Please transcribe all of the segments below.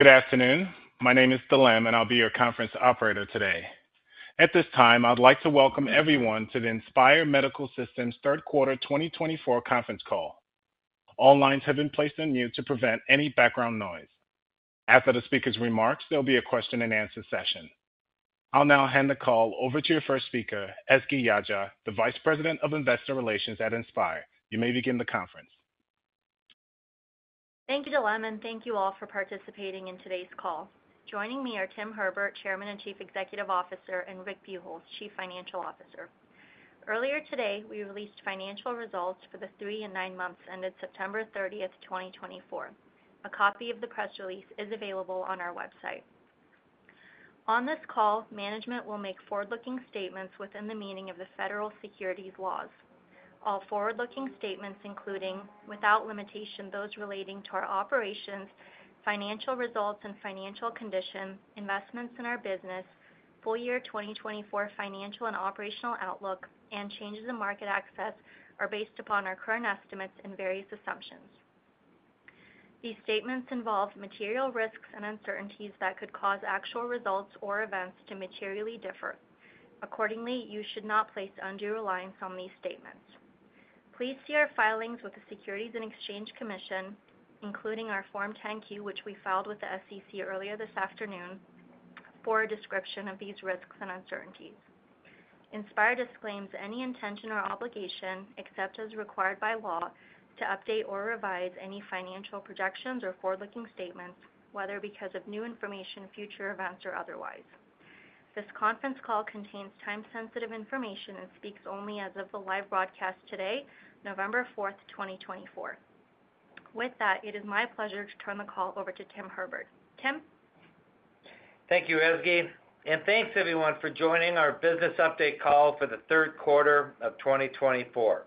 Good afternoon. My name is Dilem, and I'll be your conference operator today. At this time, I'd like to welcome everyone to the Inspire Medical Systems Third Quarter 2024 conference call. All lines have been placed on mute to prevent any background noise. After the speakers' remarks, there'll be a question-and-answer session. I'll now hand the call over to your first speaker, Ezgi Yagci, the Vice President of Investor Relations at Inspire. You may begin the conference. Thank you, Dilem, and thank you all for participating in today's call. Joining me are Tim Herbert, Chairman and Chief Executive Officer, and Rick Buchholz, Chief Financial Officer. Earlier today, we released financial results for the three and nine months ended 30 September 2024. A copy of the press release is available on our website. On this call, management will make forward-looking statements within the meaning of the federal securities laws. All forward-looking statements, including without limitation, those relating to our operations, financial results and financial condition, investments in our business, full year 2024 financial and operational outlook, and changes in market access, are based upon our current estimates and various assumptions. These statements involve material risks and uncertainties that could cause actual results or events to materially differ. Accordingly, you should not place undue reliance on these statements. Please see our filings with the Securities and Exchange Commission, including our Form 10-Q, which we filed with the SEC earlier this afternoon, for a description of these risks and uncertainties. Inspire disclaims any intention or obligation, except as required by law, to update or revise any financial projections or forward-looking statements, whether because of new information, future events, or otherwise. This conference call contains time-sensitive information and speaks only as of the live broadcast today, 4 November 2024. With that, it is my pleasure to turn the call over to Tim Herbert. Tim? Thank you, Ezgi, and thanks, everyone, for joining our business update call for the third quarter of 2024.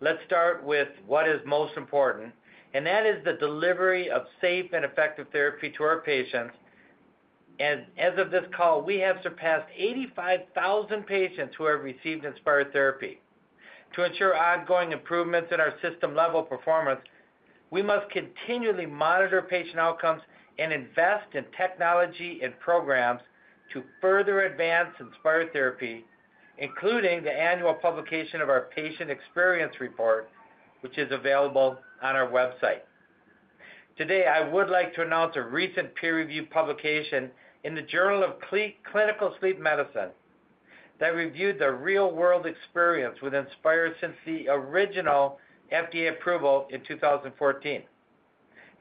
Let's start with what is most important, and that is the delivery of safe and effective therapy to our patients. As of this call, we have surpassed 85,000 patients who have received Inspire therapy. To ensure ongoing improvements in our system-level performance, we must continually monitor patient outcomes and invest in technology and programs to further advance Inspire therapy, including the annual publication of our Patient Experience Report, which is available on our website. Today, I would like to announce a recent peer-reviewed publication in the Journal of Clinical Sleep Medicine that reviewed the real-world experience with Inspire since the original FDA approval in 2014.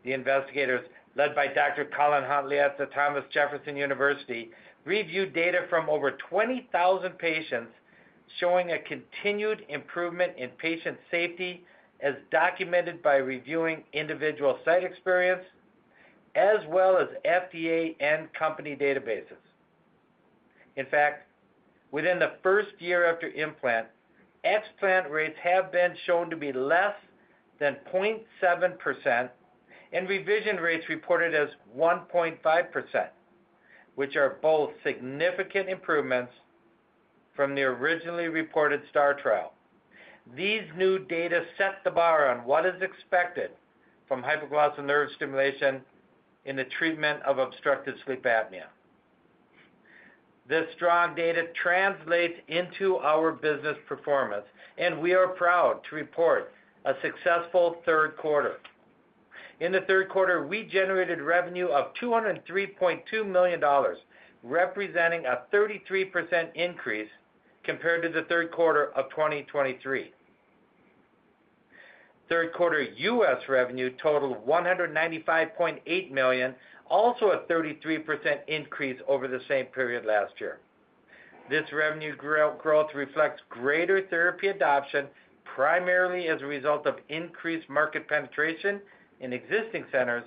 The investigators, led by Dr. Colin Huntley at the Thomas Jefferson University reviewed data from over 20,000 patients showing a continued improvement in patient safety as documented by reviewing individual site experience, as well as FDA and company databases. In fact, within the first year after implant, explant rates have been shown to be less than 0.7%, and revision rates reported as 1.5%, which are both significant improvements from the originally reported STAR trial. These new data set the bar on what is expected from hypoglossal nerve stimulation in the treatment of obstructive sleep apnea. This strong data translates into our business performance, and we are proud to report a successful third quarter. In the third quarter, we generated revenue of $203.2 million, representing a 33% increase compared to the third quarter of 2023. Third quarter US revenue totaled $195.8 million, also a 33% increase over the same period last year. This revenue growth reflects greater therapy adoption, primarily as a result of increased market penetration in existing centers,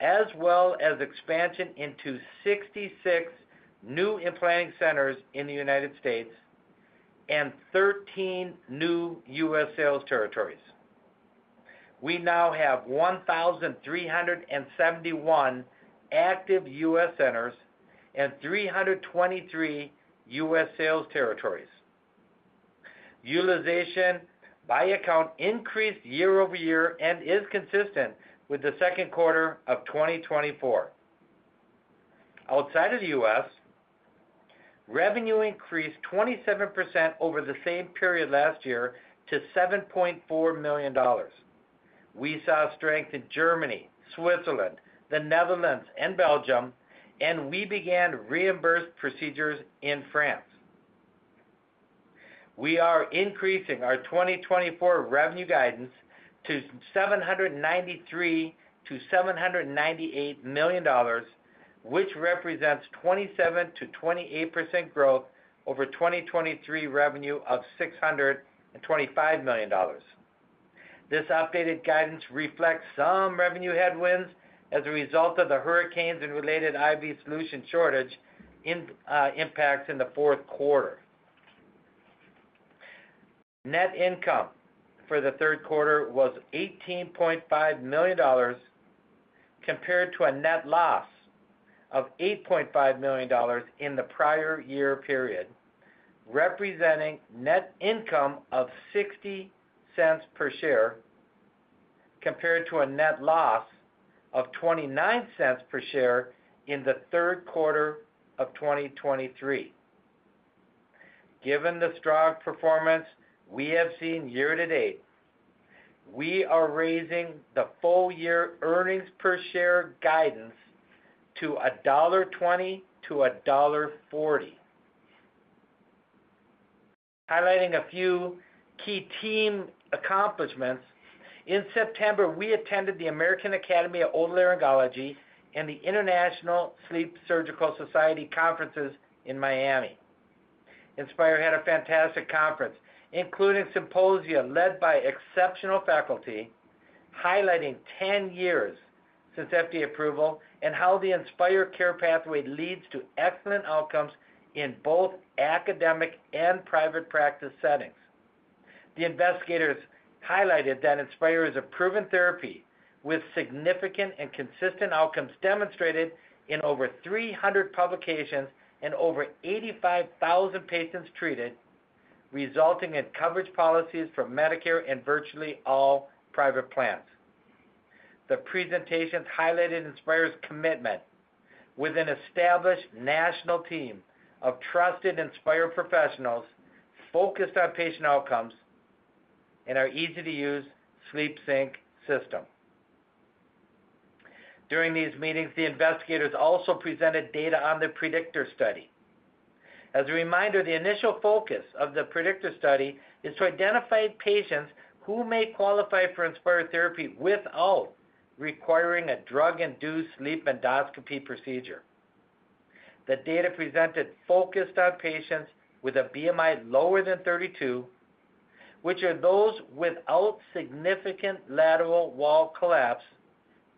as well as expansion into 66 new implanting centers in the United States and 13 new US sales territories. We now have 1,371 active US centers and 323 US sales territories. Utilization by account increased year over year and is consistent with the second quarter of 2024. Outside of the US, revenue increased 27% over the same period last year to $7.4 million. We saw strength in Germany, Switzerland, the Netherlands, and Belgium, and we began reimbursed procedures in France. We are increasing our 2024 revenue guidance to $793 to 798 million, which represents 27% to 28% growth over 2023 revenue of $625 million. This updated guidance reflects some revenue headwinds as a result of the hurricanes and related IV solution shortage impacts in the fourth quarter. Net income for the third quarter was $18.5 million compared to a net loss of $8.5 million in the prior year period, representing net income of $0.60 per share compared to a net loss of $0.29 per share in the third quarter of 2023. Given the strong performance we have seen year to date, we are raising the full year earnings per share guidance to $1.20 to $1.40. Highlighting a few key team accomplishments, in September, we attended the American Academy of Otolaryngology and the International Sleep Surgical Society conferences in Miami. Inspire had a fantastic conference, including symposia led by exceptional faculty, highlighting 10 years since FDA approval and how the Inspire care pathway leads to excellent outcomes in both academic and private practice settings. The investigators highlighted that Inspire is a proven therapy with significant and consistent outcomes demonstrated in over 300 publications and over 85,000 patients treated, resulting in coverage policies for Medicare and virtually all private plans. The presentations highlighted Inspire's commitment with an established national team of trusted Inspire professionals focused on patient outcomes and our easy-to-use SleepSync system. During these meetings, the investigators also presented data on the PREDICTOR study. As a reminder, the initial focus of the PREDICTOR study is to identify patients who may qualify for Inspire therapy without requiring a drug-induced sleep endoscopy procedure. The data presented focused on patients with a BMI lower than 32, which are those without significant lateral wall collapse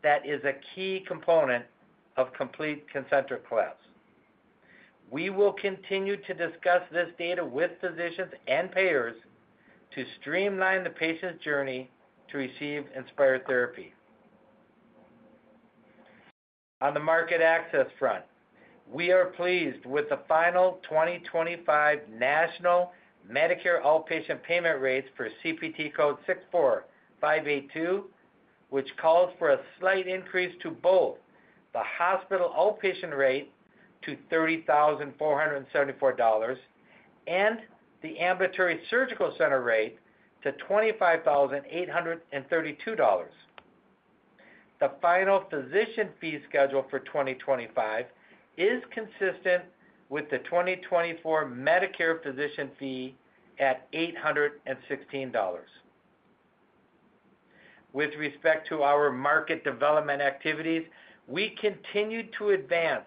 that is a key component of complete concentric collapse. We will continue to discuss this data with physicians and payers to streamline the patient's journey to receive Inspire therapy. On the market access front, we are pleased with the final 2025 national Medicare outpatient payment rates for CPT code 64582, which calls for a slight increase to both the hospital outpatient rate to $30,474 and the ambulatory surgical center rate to $25,832. The final physician fee schedule for 2025 is consistent with the 2024 Medicare physician fee at $816. With respect to our market development activities, we continue to advance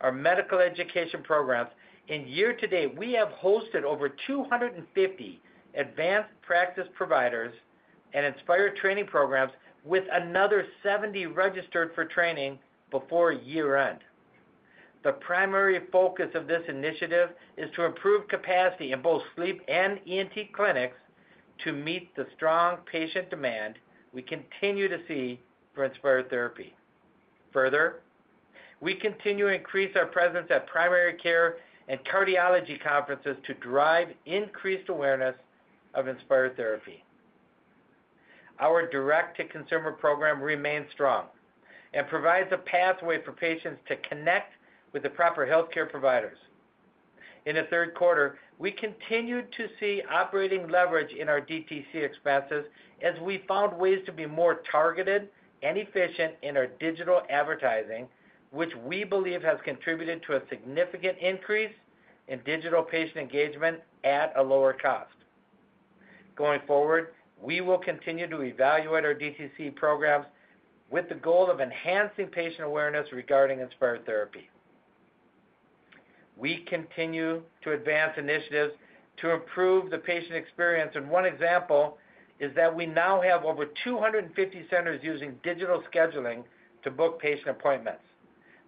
our medical education programs. In year to date, we have hosted over 250 advanced practice providers and Inspire training programs with another 70 registered for training before year-end. The primary focus of this initiative is to improve capacity in both sleep and ENT clinics to meet the strong patient demand we continue to see for Inspire therapy. Further, we continue to increase our presence at primary care and cardiology conferences to drive increased awareness of Inspire therapy. Our direct-to-consumer program remains strong and provides a pathway for patients to connect with the proper healthcare providers. In the third quarter, we continued to see operating leverage in our DTC expenses as we found ways to be more targeted and efficient in our digital advertising, which we believe has contributed to a significant increase in digital patient engagement at a lower cost. Going forward, we will continue to evaluate our DTC programs with the goal of enhancing patient awareness regarding Inspire therapy. We continue to advance initiatives to improve the patient experience, and one example is that we now have over 250 centers using digital scheduling to book patient appointments.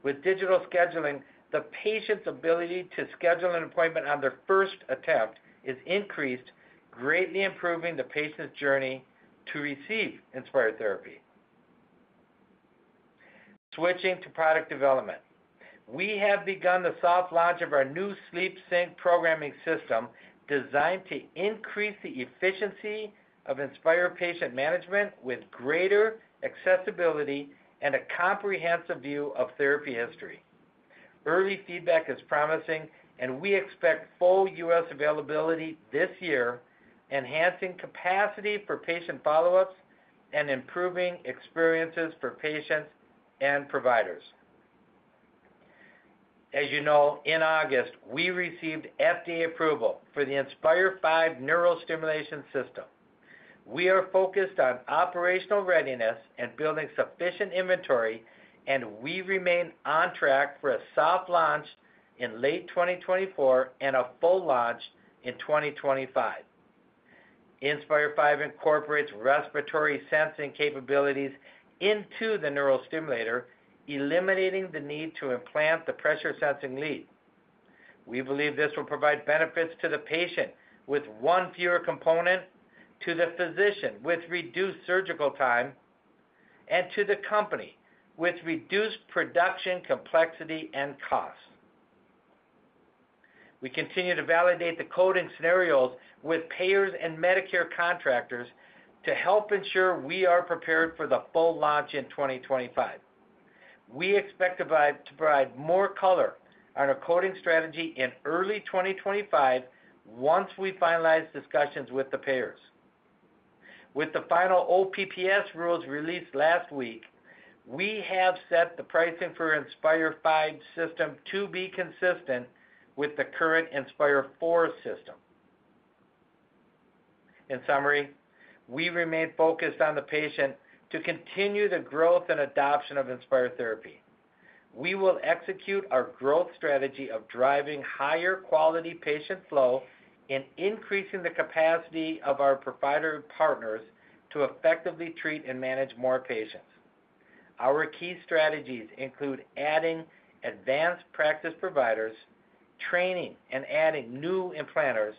With digital scheduling, the patient's ability to schedule an appointment on their first attempt is increased, greatly improving the patient's journey to receive Inspire therapy. Switching to product development, we have begun the soft launch of our new SleepSync programming system designed to increase the efficiency of Inspire patient management with greater accessibility and a comprehensive view of therapy history. Early feedback is promising, and we expect full US availability this year, enhancing capacity for patient follow-ups and improving experiences for patients and providers. As you know, in August, we received FDA approval for the Inspire V neural stimulation system. We are focused on operational readiness and building sufficient inventory, and we remain on track for a soft launch in late 2024 and a full launch in 2025. Inspire V incorporates respiratory sensing capabilities into the neural stimulator, eliminating the need to implant the pressure-sensing lead. We believe this will provide benefits to the patient with one fewer component, to the physician with reduced surgical time, and to the company with reduced production complexity and cost. We continue to validate the coding scenarios with payers and Medicare contractors to help ensure we are prepared for the full launch in 2025. We expect to provide more color on our coding strategy in early 2025 once we finalize discussions with the payers. With the final OPPS rules released last week, we have set the pricing for Inspire V system to be consistent with the current Inspire IV system. In summary, we remain focused on the patient to continue the growth and adoption of Inspire therapy. We will execute our growth strategy of driving higher quality patient flow and increasing the capacity of our provider partners to effectively treat and manage more patients. Our key strategies include adding advanced practice providers, training and adding new implanters,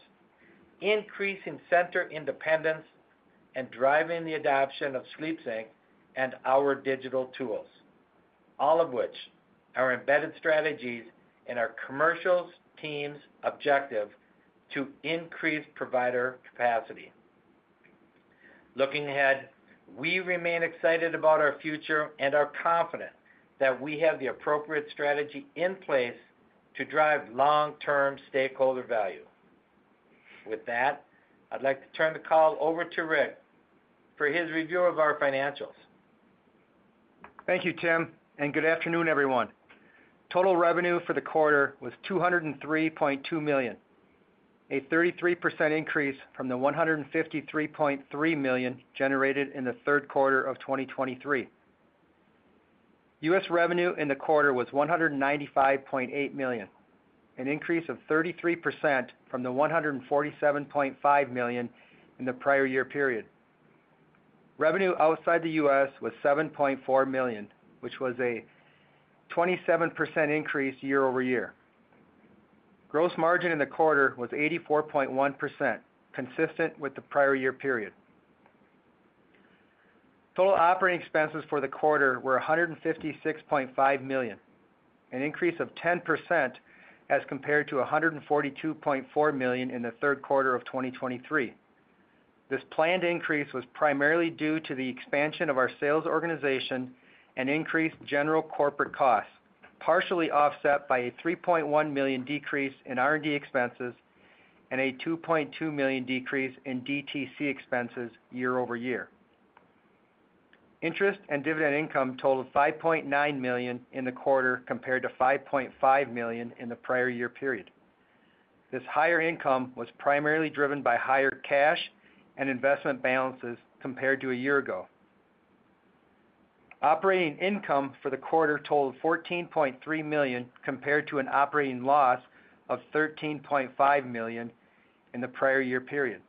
increasing center independence, and driving the adoption of SleepSync and our digital tools, all of which are embedded strategies in our commercial team's objective to increase provider capacity. Looking ahead, we remain excited about our future and are confident that we have the appropriate strategy in place to drive long-term stakeholder value. With that, I'd like to turn the call over to Rick for his review of our financials. Thank you, Tim, and good afternoon, everyone. Total revenue for the quarter was $203.2 million, a 33% increase from the $153.3 million generated in the third quarter of 2023. US revenue in the quarter was $195.8 million, an increase of 33% from the $147.5 million in the prior year period. Revenue outside the US was $7.4 million, which was a 27% increase year over year. Gross margin in the quarter was 84.1%, consistent with the prior year period. Total operating expenses for the quarter were $156.5 million, an increase of 10% as compared to $142.4 million in the third quarter of 2023. This planned increase was primarily due to the expansion of our sales organization and increased general corporate costs, partially offset by a $3.1 million decrease in R&D expenses and a $2.2 million decrease in DTC expenses year over year. Interest and dividend income totaled $5.9 million in the quarter compared to $5.5 million in the prior year period. This higher income was primarily driven by higher cash and investment balances compared to a year ago. Operating income for the quarter totaled $14.3 million compared to an operating loss of $13.5 million in the prior year period.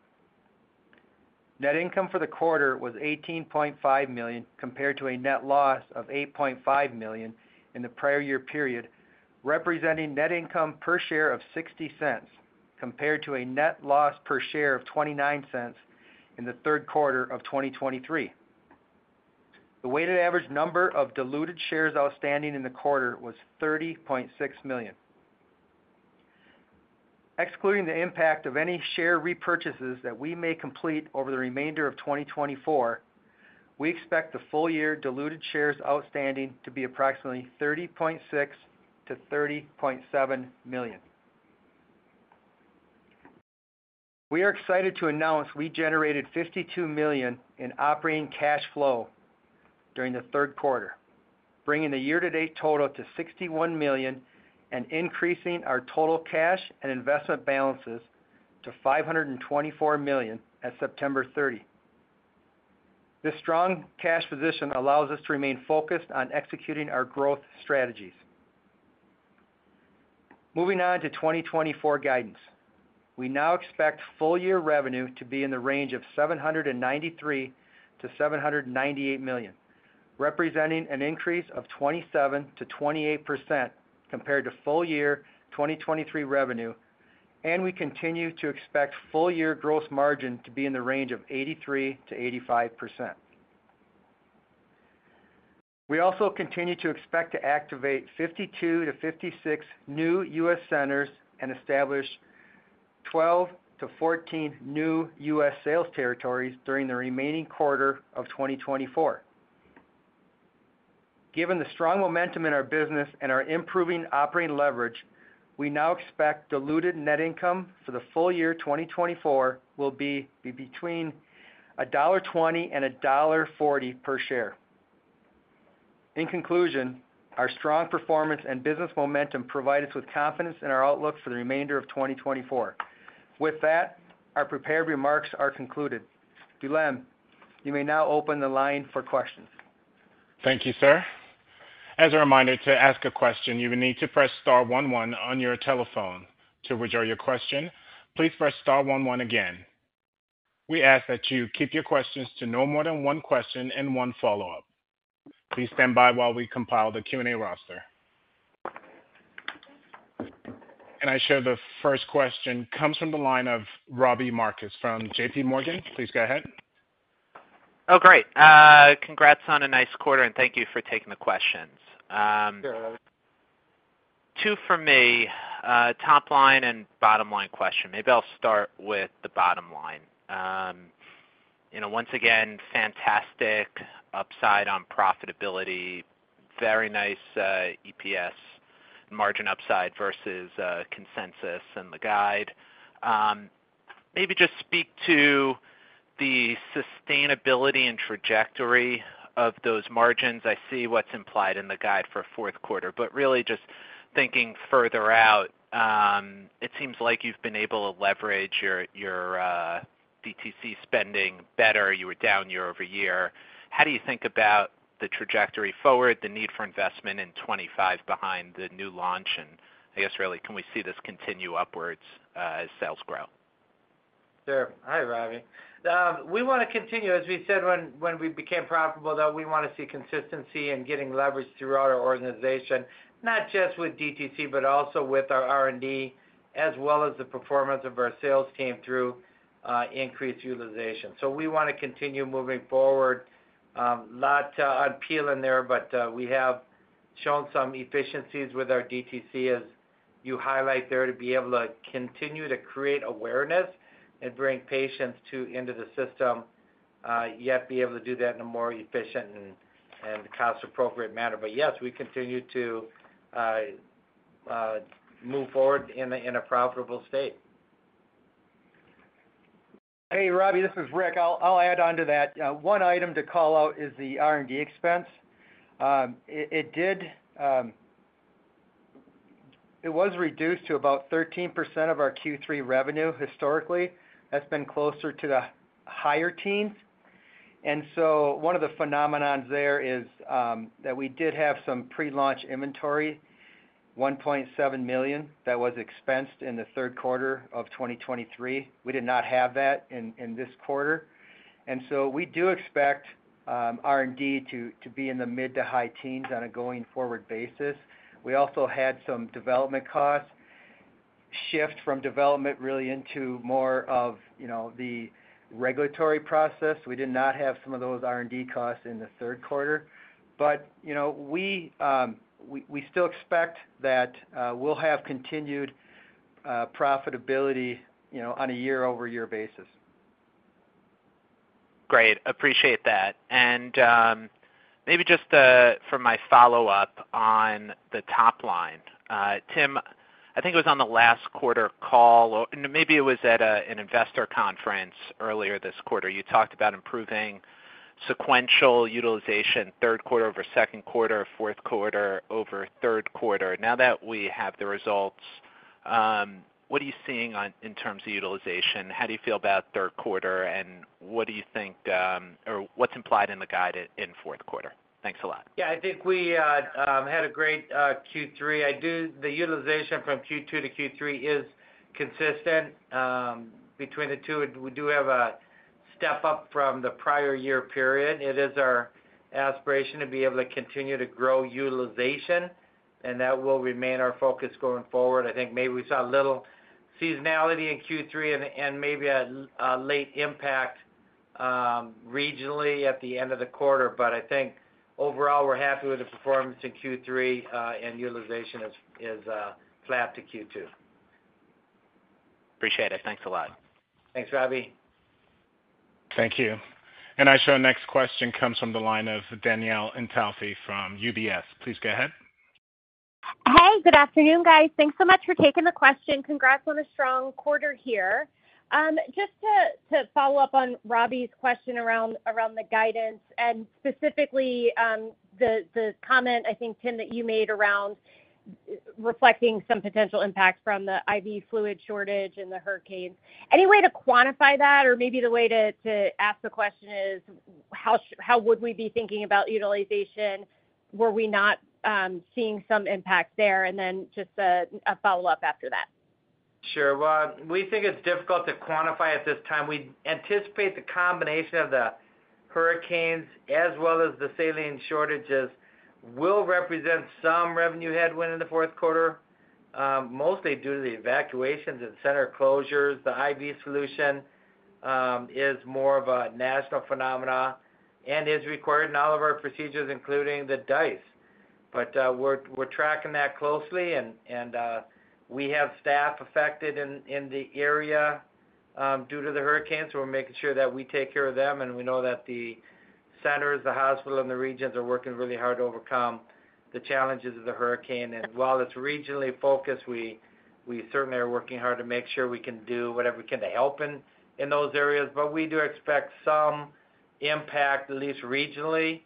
Net income for the quarter was $18.5 million compared to a net loss of $8.5 million in the prior year period, representing net income per share of $0.60 compared to a net loss per share of $0.29 in the third quarter of 2023. The weighted average number of diluted shares outstanding in the quarter was $30.6 million. Excluding the impact of any share repurchases that we may complete over the remainder of 2024, we expect the full year diluted shares outstanding to be approximately $30.6 to 30.7 million. We are excited to announce we generated $52 million in operating cash flow during the third quarter, bringing the year-to-date total to $61 million and increasing our total cash and investment balances to $524 million at 30 September 2024. This strong cash position allows us to remain focused on executing our growth strategies. Moving on to 2024 guidance, we now expect full year revenue to be in the range of $793 to 798 million, representing an increase of 27% to 28% compared to full year 2023 revenue, and we continue to expect full year gross margin to be in the range of 83% to 85%. We also continue to expect to activate 52 to 56 new US centers and establish 12 to 14 new US sales territories during the remaining quarter of 2024. Given the strong momentum in our business and our improving operating leverage, we now expect diluted net income for the full year 2024 will be between $1.20 and $1.40 per share. In conclusion, our strong performance and business momentum provide us with confidence in our outlook for the remainder of 2024. With that, our prepared remarks are concluded. Dilem, you may now open the line for questions. Thank you, sir. As a reminder to ask a question, you will need to press star one, one on your telephone to withdraw your question. Please press star one, one again. We ask that you keep your questions to no more than one question and one follow-up. Please stand by while we compile the Q&A roster. And I show the first question comes from the line of Robbie Marcus from JPMorgan. Please go ahead. Oh, great. Congrats on a nice quarter, and thank you for taking the questions. Two for me, top line and bottom line question. Maybe I'll start with the bottom line. Once again, fantastic upside on profitability, very nice EPS, margin upside versus consensus and the guide. Maybe just speak to the sustainability and trajectory of those margins. I see what's implied in the guide for fourth quarter, but really just thinking further out, it seems like you've been able to leverage your DTC spending better. You were down year over year. How do you think about the trajectory forward, the need for investment in 2025 behind the new launch? And I guess, really, can we see this continue upwards as sales grow? Sure. Hi, Robbie. We want to continue. As we said when we became profitable, though, we want to see consistency in getting leverage throughout our organization, not just with DTC, but also with our R&D, as well as the performance of our sales team through increased utilization. So we want to continue moving forward. A lot on the plate in there, but we have shown some efficiencies with our DTC, as you highlight there, to be able to continue to create awareness and bring patients into the system, yet be able to do that in a more efficient and cost-appropriate manner. But yes, we continue to move forward in a profitable state. Hey, Robbie, this is Rick. I'll add on to that. One item to call out is the R&D expense. It was reduced to about 13% of our third quarter revenue historically. That's been closer to the higher teens. And so one of the phenomena there is that we did have some pre-launch inventory, $1.7 million that was expensed in the third quarter of 2023. We did not have that in this quarter. And so we do expect R&D to be in the mid to high teens on a going-forward basis. We also had some development costs shift from development really into more of the regulatory process. We did not have some of those R&D costs in the third quarter. But we still expect that we'll have continued profitability on a year-over-year basis. Great. Appreciate that. And maybe just for my follow-up on the top line, Tim, I think it was on the last quarter call, or maybe it was at an investor conference earlier this quarter. You talked about improving sequential utilization, third quarter over second quarter, fourth quarter over third quarter. Now that we have the results, what are you seeing in terms of utilization? How do you feel about third quarter, and what do you think, or what's implied in the guide in fourth quarter? Thanks a lot. Yeah, I think we had a great third quarter. The utilization from second quarter to third quarter is consistent between the two. We do have a step up from the prior year period. It is our aspiration to be able to continue to grow utilization, and that will remain our focus going forward. I think maybe we saw a little seasonality in third quarter and maybe a late impact regionally at the end of the quarter. But I think overall, we're happy with the performance in third quarter, and utilization is flat to second quarter. Appreciate it. Thanks a lot. Thanks, Robbie. Thank you. And I show next question comes from the line of Danielle Antalffy from UBS. Please go ahead. Hi, good afternoon, guys. Thanks so much for taking the question. Congrats on a strong quarter here. Just to follow up on Robbie's question around the guidance and specifically the comment, I think, Tim, that you made around reflecting some potential impact from the IV fluid shortage and the hurricanes. Any way to quantify that, or maybe the way to ask the question is, how would we be thinking about utilization? Were we not seeing some impact there? And then just a follow-up after that. Sure. Well, we think it's difficult to quantify at this time. We anticipate the combination of the hurricanes as well as the saline shortages will represent some revenue headwind in the fourth quarter, mostly due to the evacuations and center closures. The IV solution is more of a national phenomenon and is required in all of our procedures, including the DISE. But we're tracking that closely, and we have staff affected in the area due to the hurricanes, so we're making sure that we take care of them. And we know that the centers, the hospitals, and the regions are working really hard to overcome the challenges of the hurricane. While it's regionally focused, we certainly are working hard to make sure we can do whatever we can to help in those areas. But we do expect some impact, at least regionally,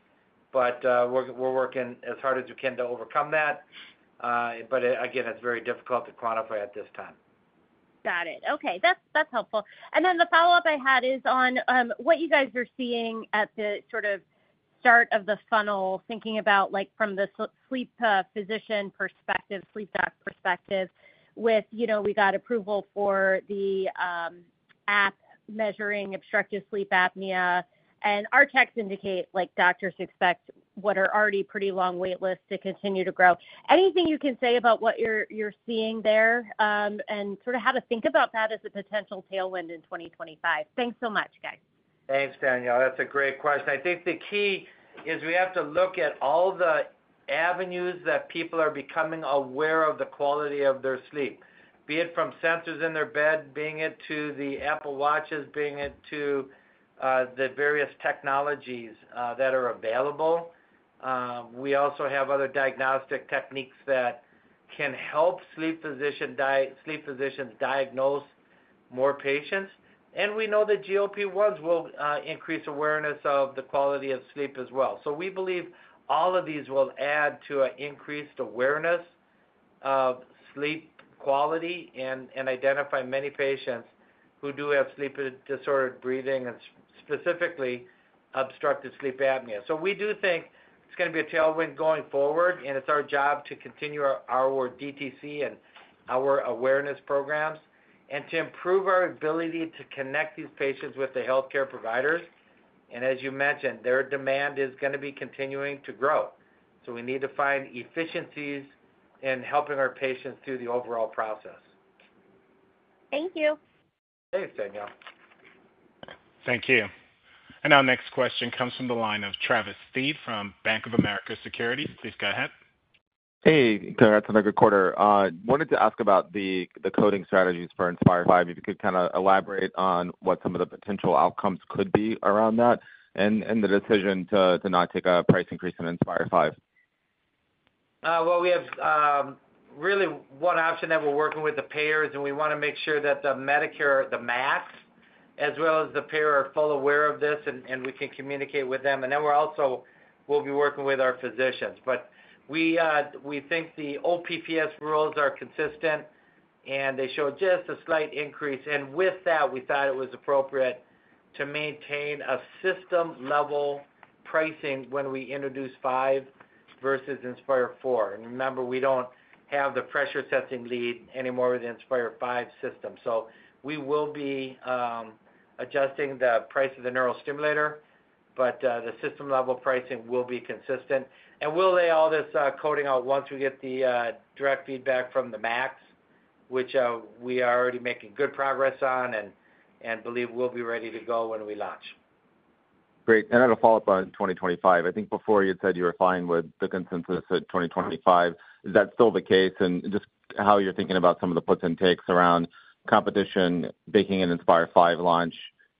but we're working as hard as we can to overcome that. But again, it's very difficult to quantify at this time. Got it. Okay. That's helpful. And then the follow-up I had is on what you guys are seeing at the sort of start of the funnel, thinking about from the sleep physician perspective, sleep doc perspective, with we got approval for the app measuring obstructive sleep apnea, and our techs indicate doctors expect what are already pretty long waitlists to continue to grow. Anything you can say about what you're seeing there and sort of how to think about that as a potential tailwind in 2025? Thanks so much, guys. Thanks, Danielle. That's a great question. I think the key is we have to look at all the avenues that people are becoming aware of the quality of their sleep, be it from sensors in their bed, be it to the Apple Watches, be it to the various technologies that are available. We also have other diagnostic techniques that can help sleep physicians diagnose more patients. And we know that GLP-1s will increase awareness of the quality of sleep as well. So, we believe all of these will add to an increased awareness of sleep quality and identify many patients who do have sleep-disordered breathing and specifically obstructive sleep apnea. So, we do think it's going to be a tailwind going forward, and it's our job to continue our DTC and our awareness programs and to improve our ability to connect these patients with the healthcare providers. As you mentioned, their demand is going to be continuing to grow. So we need to find efficiencies in helping our patients through the overall process. Thank you. Thanks, Danielle. Thank you. And our next question comes from the line of Travis Steed from Bank of America Securities. Please go ahead. Hey, congrats on a good quarter. Wanted to ask about the coding strategies for Inspire V. If you could kind of elaborate on what some of the potential outcomes could be around that and the decision to not take a price increase in Inspire V. Well, we have really one option that we're working with the payers, and we want to make sure that the Medicare, the MACs, as well as the payer, are fully aware of this and we can communicate with them. And then we'll be working with our physicians. But we think the old OPPS rules are consistent, and they show just a slight increase. And with that, we thought it was appropriate to maintain a system-level pricing when we introduce Inspire V versus Inspire IV. And remember, we don't have the pressure-sensing lead anymore with the Inspire V system. So we will be adjusting the price of the neurostimulator, but the system-level pricing will be consistent. And we'll lay all this coding out once we get the direct feedback from the MACs, which we are already making good progress on and believe we'll be ready to go when we launch. Great. And I had a follow-up on 2025. I think before you said you were fine with the consensus at 2025. Is that still the case? And just how you're thinking about some of the puts and takes around competition, baking an Inspire V launch,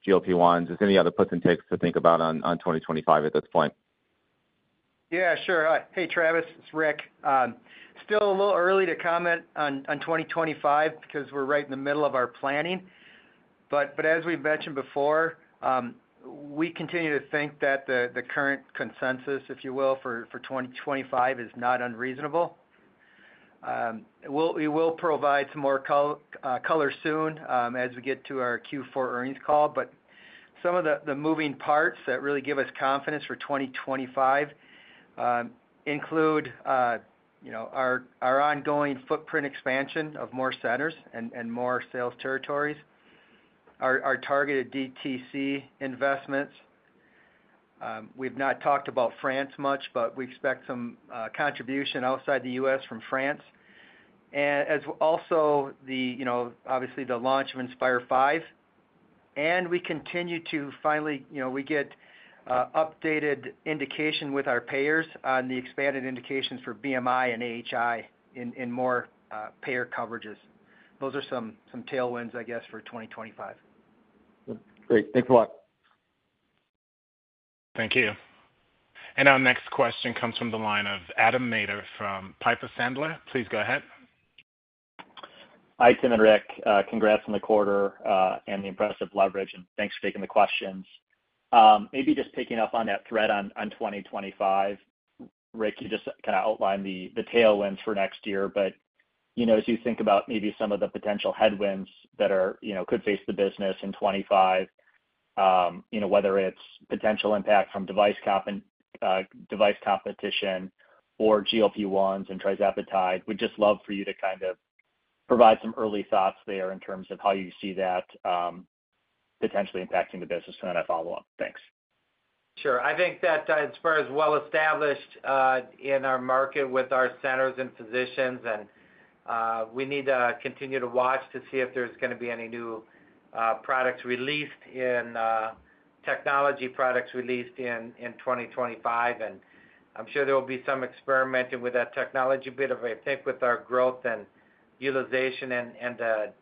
GLP-1s? Is there any other puts and takes to think about on 2025 at this point? Yeah, sure. Hey, Travis, it's Rick. Still a little early to comment on 2025 because we're right in the middle of our planning. But as we've mentioned before, we continue to think that the current consensus, if you will, for 2025 is not unreasonable. We will provide some more color soon as we get to our fourth quarter earnings call. But some of the moving parts that really give us confidence for 2025 include our ongoing footprint expansion of more centers and more sales territories, our targeted DTC investments. We've not talked about France much, but we expect some contribution outside the US from France, and also, obviously, the launch of Inspire V, and we continue to finally get updated indication with our payers on the expanded indications for BMI and AHI in more payer coverages. Those are some tailwinds, I guess, for 2025. Great. Thanks a lot. Thank you. And our next question comes from the line of Adam Maeder from Piper Sandler. Please go ahead. Hi, Tim and Rick. Congrats on the quarter and the impressive leverage, and thanks for taking the questions. Maybe just picking up on that thread on 2025, Rick, you just kind of outlined the tailwinds for next year. But as you think about maybe some of the potential headwinds that could face the business in 2025, whether it's potential impact from device competition or GLP-1s and tirzepatide, we'd just love for you to kind of provide some early thoughts there in terms of how you see that potentially impacting the business. And then I follow up. Thanks. Sure. I think that Inspire is well established in our market with our centers and physicians, and we need to continue to watch to see if there's going to be any new technology products released in 2025, and I'm sure there will be some experimenting with that technology bit, but I think with our growth and utilization and the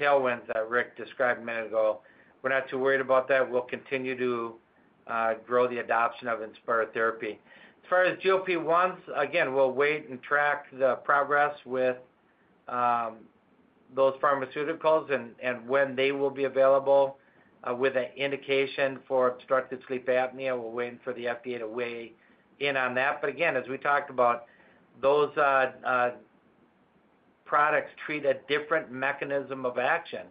tailwinds that Rick described a minute ago, we're not too worried about that. We'll continue to grow the adoption of Inspire therapy. As far as GLP-1s, again, we'll wait and track the progress with those pharmaceuticals and when they will be available with an indication for obstructive sleep apnea. We're waiting for the FDA to weigh in on that, but again, as we talked about, those products treat a different mechanism of action,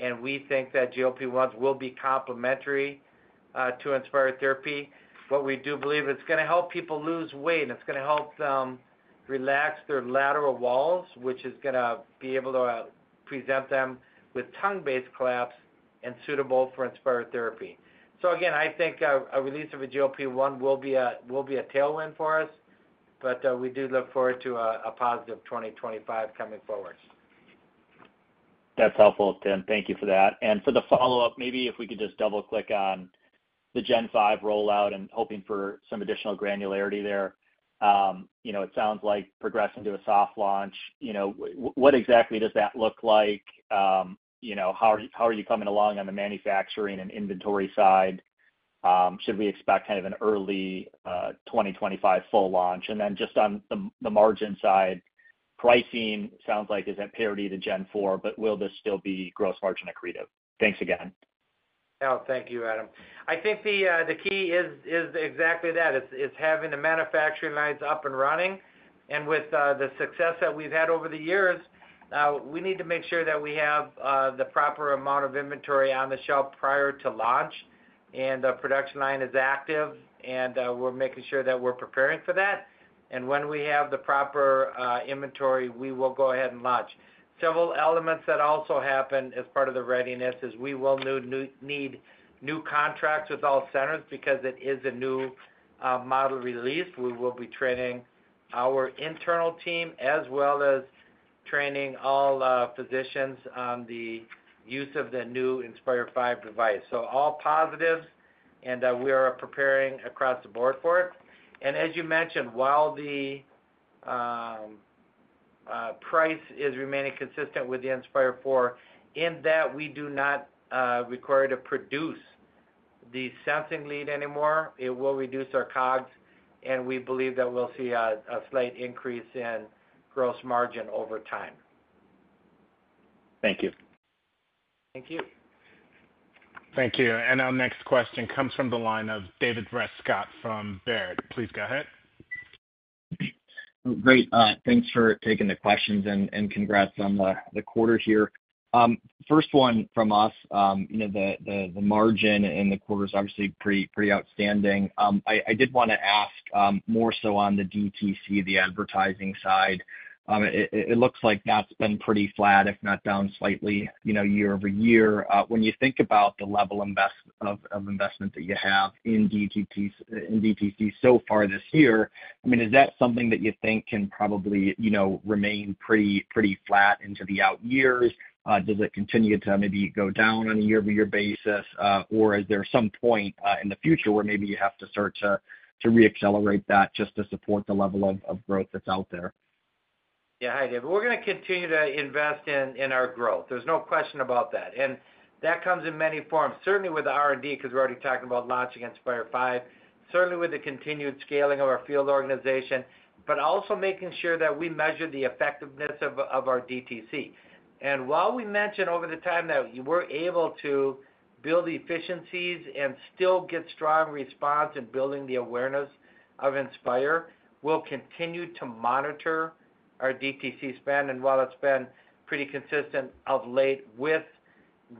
and we think that GLP-1s will be complementary to Inspire therapy. What we do believe is it's going to help people lose weight, and it's going to help them relax their lateral walls, which is going to be able to present them with tongue-based collapse and suitable for Inspire therapy. So again, I think a release of a GLP-1 will be a tailwind for us, but we do look forward to a positive 2025 coming forward. That's helpful, Tim. Thank you for that. And for the follow-up, maybe if we could just double-click on the Gen 5 rollout and hoping for some additional granularity there. It sounds like progressing to a soft launch. What exactly does that look like? How are you coming along on the manufacturing and inventory side? Should we expect kind of an early 2025 full launch? And then just on the margin side, pricing sounds like is at parity to Gen 4, but will this still be gross margin accretive? Thanks again. Oh, thank you, Adam. I think the key is exactly that. It's having the manufacturing lines up and running. And with the success that we've had over the years, we need to make sure that we have the proper amount of inventory on the shelf prior to launch and the production line is active. And we're making sure that we're preparing for that. And when we have the proper inventory, we will go ahead and launch. Several elements that also happen as part of the readiness is we will need new contracts with all centers because it is a new model release. We will be training our internal team as well as training all physicians on the use of the new Inspire V device. So, all positives, and we are preparing across the board for it. And as you mentioned, while the price is remaining consistent with the Inspire IV, in that we do not require to produce the sensing lead anymore, it will reduce our COGS, and we believe that we'll see a slight increase in gross margin over time. Thank you. Thank you. Thank you. And our next question comes from the line of David Rescott from Baird. Please go ahead. Great. Thanks for taking the questions and congrats on the quarter here. First one from us, the margin in the quarter is obviously pretty outstanding. I did want to ask more so on the DTC, the advertising side. It looks like that's been pretty flat, if not down slightly year over year. When you think about the level of investment that you have in DTC so far this year, I mean, is that something that you think can probably remain pretty flat into the out years? Does it continue to maybe go down on a year-over-year basis, or is there some point in the future where maybe you have to start to re-accelerate that just to support the level of growth that's out there? Yeah. Hi, David. We're going to continue to invest in our growth. There's no question about that. And that comes in many forms, certainly with R&D because we're already talking about launching Inspire V, certainly with the continued scaling of our field organization, but also making sure that we measure the effectiveness of our DTC. While we mentioned over the time that we're able to build efficiencies and still get strong response in building the awareness of Inspire, we'll continue to monitor our DTC span. While it's been pretty consistent of late with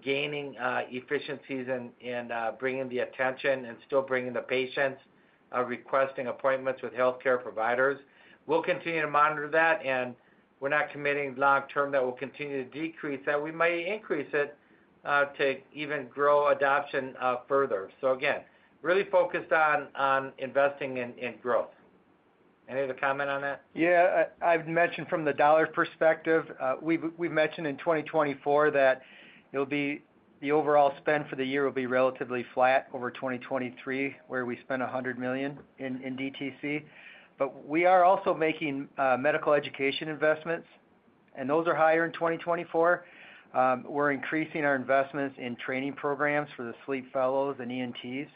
gaining efficiencies and bringing the attention and still bringing the patients requesting appointments with healthcare providers, we'll continue to monitor that. We're not committing long-term that we'll continue to decrease that. We might increase it to even grow adoption further. Again, really focused on investing in growth. Any other comment on that? Yeah. I've mentioned from the dollar perspective, we've mentioned in 2024 that the overall spend for the year will be relatively flat over 2023, where we spend $100 million in DTC. We are also making medical education investments, and those are higher in 2024. We're increasing our investments in training programs for the sleep fellows and ENTs.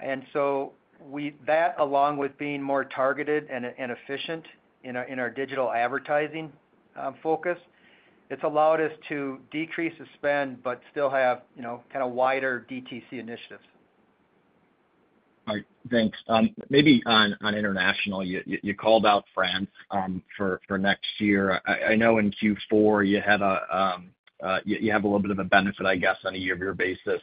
And so that, along with being more targeted and efficient in our digital advertising focus, it's allowed us to decrease the spend but still have kind of wider DTC initiatives. All right. Thanks. Maybe on international, you called out France for next year. I know in fourth quarter you have a little bit of a benefit, I guess, on a year-over-year basis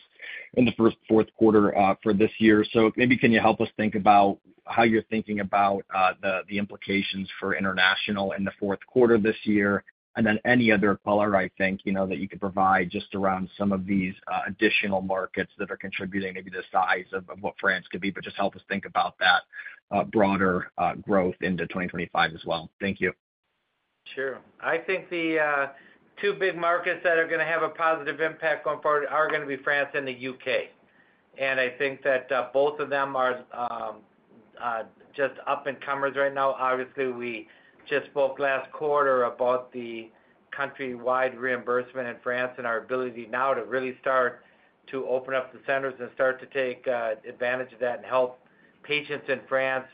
in the first quarter for this year. So maybe can you help us think about how you're thinking about the implications for international in the fourth quarter this year? And then any other color, I think, that you could provide just around some of these additional markets that are contributing maybe the size of what France could be, but just help us think about that broader growth into 2025 as well. Thank you. Sure. I think the two big markets that are going to have a positive impact going forward are going to be France and the UK, and I think that both of them are just up and comers right now. Obviously, we just spoke last quarter about the countrywide reimbursement in France and our ability now to really start to open up the centers and start to take advantage of that and help patients in France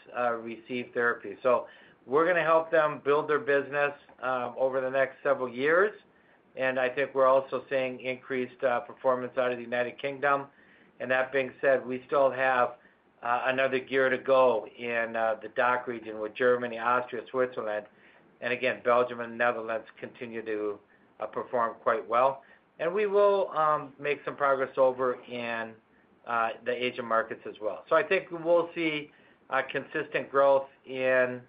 receive therapy. So, we're going to help them build their business over the next several years, and I think we're also seeing increased performance out of the United Kingdom, and that being said, we still have another year to go in the DACH region with Germany, Austria, Switzerland, and again, Belgium and the Netherlands continue to perform quite well, and we will make some progress over in the Asian markets as well. So, I think we'll see consistent growth in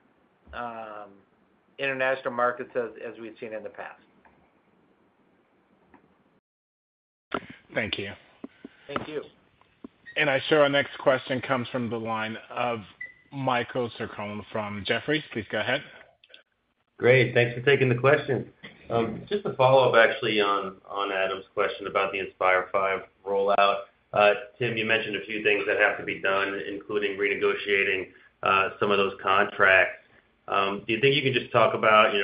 international markets as we've seen in the past. Thank you. Thank you. And now our next question comes from the line of Michael Sarcone from Jefferies. Please go ahead. Great. Thanks for taking the question. Just a follow-up, actually, on Adam's question about the Inspire V rollout. Tim, you mentioned a few things that have to be done, including renegotiating some of those contracts. Do you think you can just talk about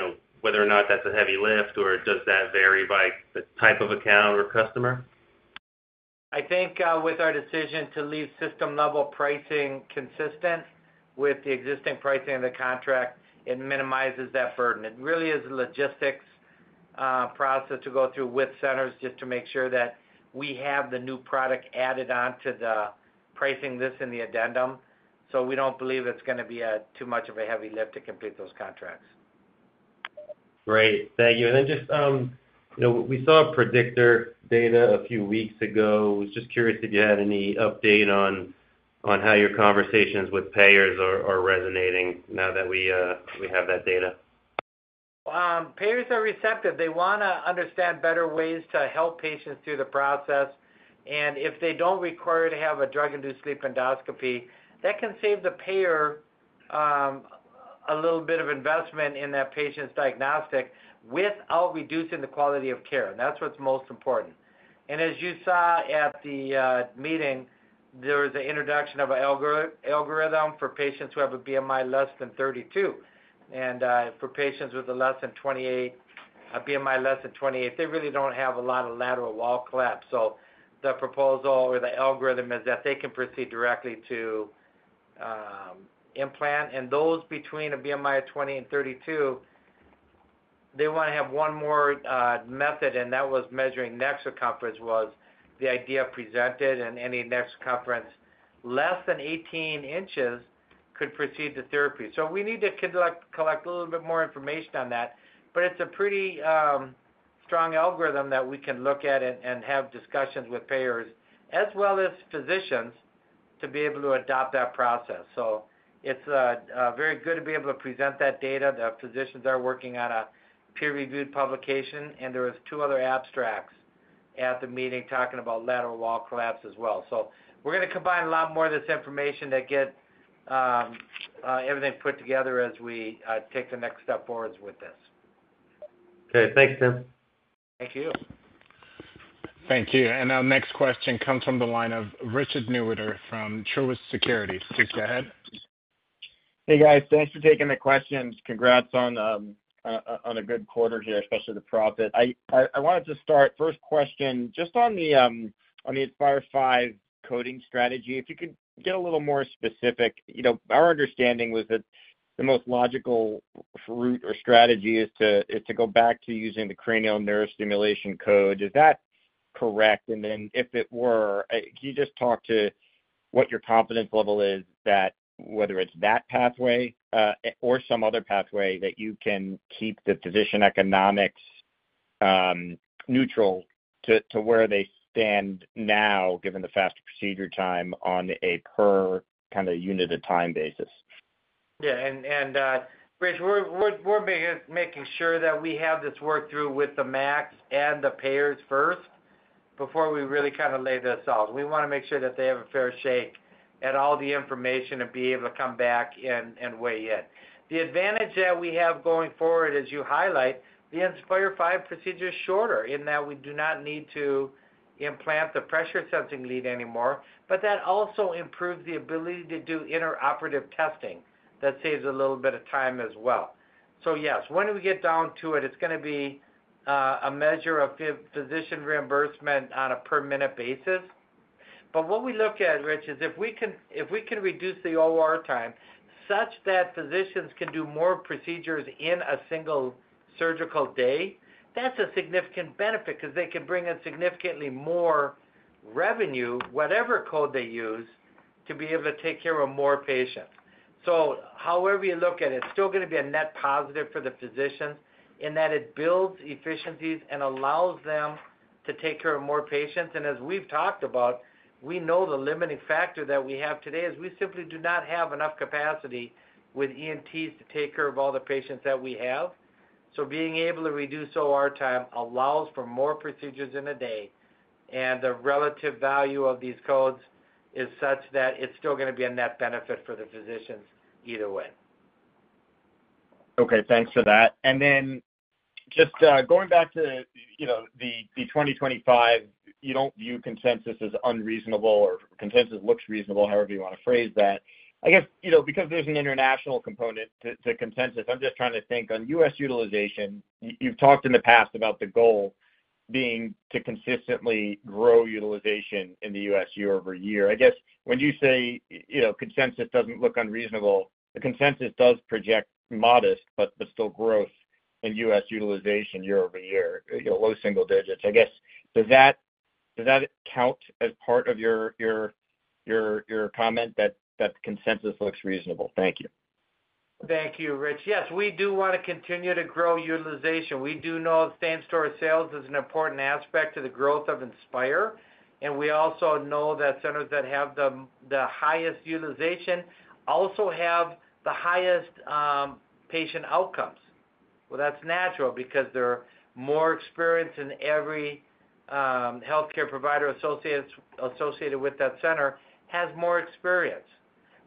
whether or not that's a heavy lift, or does that vary by the type of account or customer? I think with our decision to leave system-level pricing consistent with the existing pricing of the contract, it minimizes that burden. It really is a logistics process to go through with centers just to make sure that we have the new product added onto the pricing, as in the addendum. So, we don't believe it's going to be too much of a heavy lift to complete those contracts. Great. Thank you. And then just we saw PREDICTOR data a few weeks ago. I was just curious if you had any update on how your conversations with payers are resonating now that we have that data. Payers are receptive. They want to understand better ways to help patients through the process. And if they don't require to have a drug-induced sleep endoscopy, that can save the payer a little bit of investment in that patient's diagnostic without reducing the quality of care. And that's what's most important. And as you saw at the meeting, there was an introduction of an algorithm for patients who have a BMI less than 32. For patients with a BMI less than 28, they really don't have a lot of lateral wall collapse. So the proposal or the algorithm is that they can proceed directly to implant. Those between a BMI of 20 and 32 want to have one more method. Measuring neck circumference was the idea presented. Any neck circumference less than 18 inches could proceed to therapy. So we need to collect a little bit more information on that. But it's a pretty strong algorithm that we can look at and have discussions with payers as well as physicians to be able to adopt that process. So, it's very good to be able to present that data. The physicians are working on a peer-reviewed publication. There were two other abstracts at the meeting talking about lateral wall collapse as well. So, we're going to combine a lot more of this information to get everything put together as we take the next step forward with this. Okay. Thanks, Tim. Thank you. Thank you. And our next question comes from the line of Richard Newitter from Truist Securities. Please go ahead. Hey, guys. Thanks for taking the questions. Congrats on a good quarter here, especially the profit. I wanted to start. First question, just on the Inspire V coding strategy, if you could get a little more specific. Our understanding was that the most logical route or strategy is to go back to using the cranial nerve stimulation code. Is that correct? Then if it were, can you just talk to what your confidence level is that whether it's that pathway or some other pathway that you can keep the physician economics neutral to where they stand now, given the faster procedure time on a per kind of unit of time basis? Yeah. Rich, we're making sure that we have this worked through with the MACs and the payers first before we really kind of lay this out. We want to make sure that they have a fair shake at all the information and be able to come back and weigh in. The advantage that we have going forward, as you highlight, the Inspire V procedure is shorter in that we do not need to implant the pressure sensing lead anymore, but that also improves the ability to do intraoperative testing that saves a little bit of time as well. So yes, when we get down to it, it's going to be a measure of physician reimbursement on a per-minute basis. But what we look at, Rich, is if we can reduce the OR time such that physicians can do more procedures in a single surgical day, that's a significant benefit because they can bring in significantly more revenue, whatever code they use, to be able to take care of more patients. So however you look at it, it's still going to be a net positive for the physicians in that it builds efficiencies and allows them to take care of more patients. And as we've talked about, we know the limiting factor that we have today is we simply do not have enough capacity with ENTs to take care of all the patients that we have. So, being able to reduce OR time allows for more procedures in a day. And the relative value of these codes is such that it's still going to be a net benefit for the physicians either way. Okay. Thanks for that. And then just going back to the 2025, you don't view consensus as unreasonable or consensus looks reasonable, however you want to phrase that. I guess because there's an international component to consensus, I'm just trying to think on US utilization. You've talked in the past about the goal being to consistently grow utilization in the US year over year. I guess when you say consensus doesn't look unreasonable, the consensus does project modest but still growth in US utilization year over year, low single digits. I guess does that count as part of your comment that consensus looks reasonable? Thank you. Thank you, Rich. Yes, we do want to continue to grow utilization. We do know that same-store sales is an important aspect of the growth of Inspire. And we also know that centers that have the highest utilization also have the highest patient outcomes. Well, that's natural because they're more experienced, and every healthcare provider associated with that center has more experience.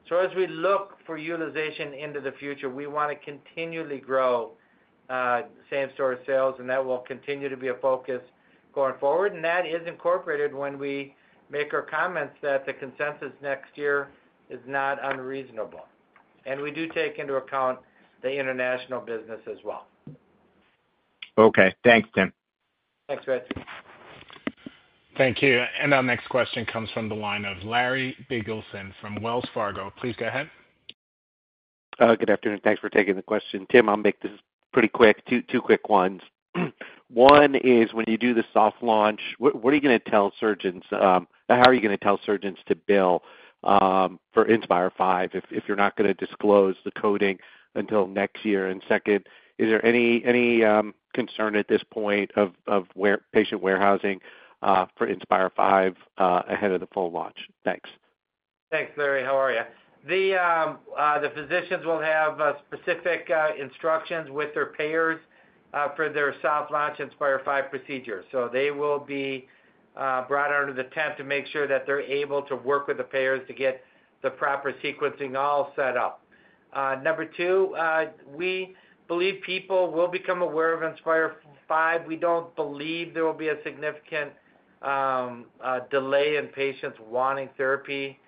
So, as we look for utilization into the future, we want to continually grow same-store sales, and that will continue to be a focus going forward. And that is incorporated when we make our comments that the consensus next year is not unreasonable. And we do take into account the international business as well. Okay. Thanks, Tim. Thanks, Rich. Thank you. And our next question comes from the line of Larry Biegelsen from Wells Fargo. Please go ahead. Good afternoon. Thanks for taking the question. Tim, I'll make this pretty quick, two quick ones. One is when you do the soft launch, what are you going to tell surgeons? How are you going to tell surgeons to bill for Inspire V if you're not going to disclose the coding until next year? And second, is there any concern at this point of patient warehousing for Inspire V ahead of the full launch? Thanks. Thanks, Larry. How are you? The physicians will have specific instructions with their payers for their soft launch Inspire V procedure. So they will be brought under the tent to make sure that they're able to work with the payers to get the proper sequencing all set up. Number two, we believe people will become aware of Inspire V. We don't believe there will be a significant delay in patients wanting therapy,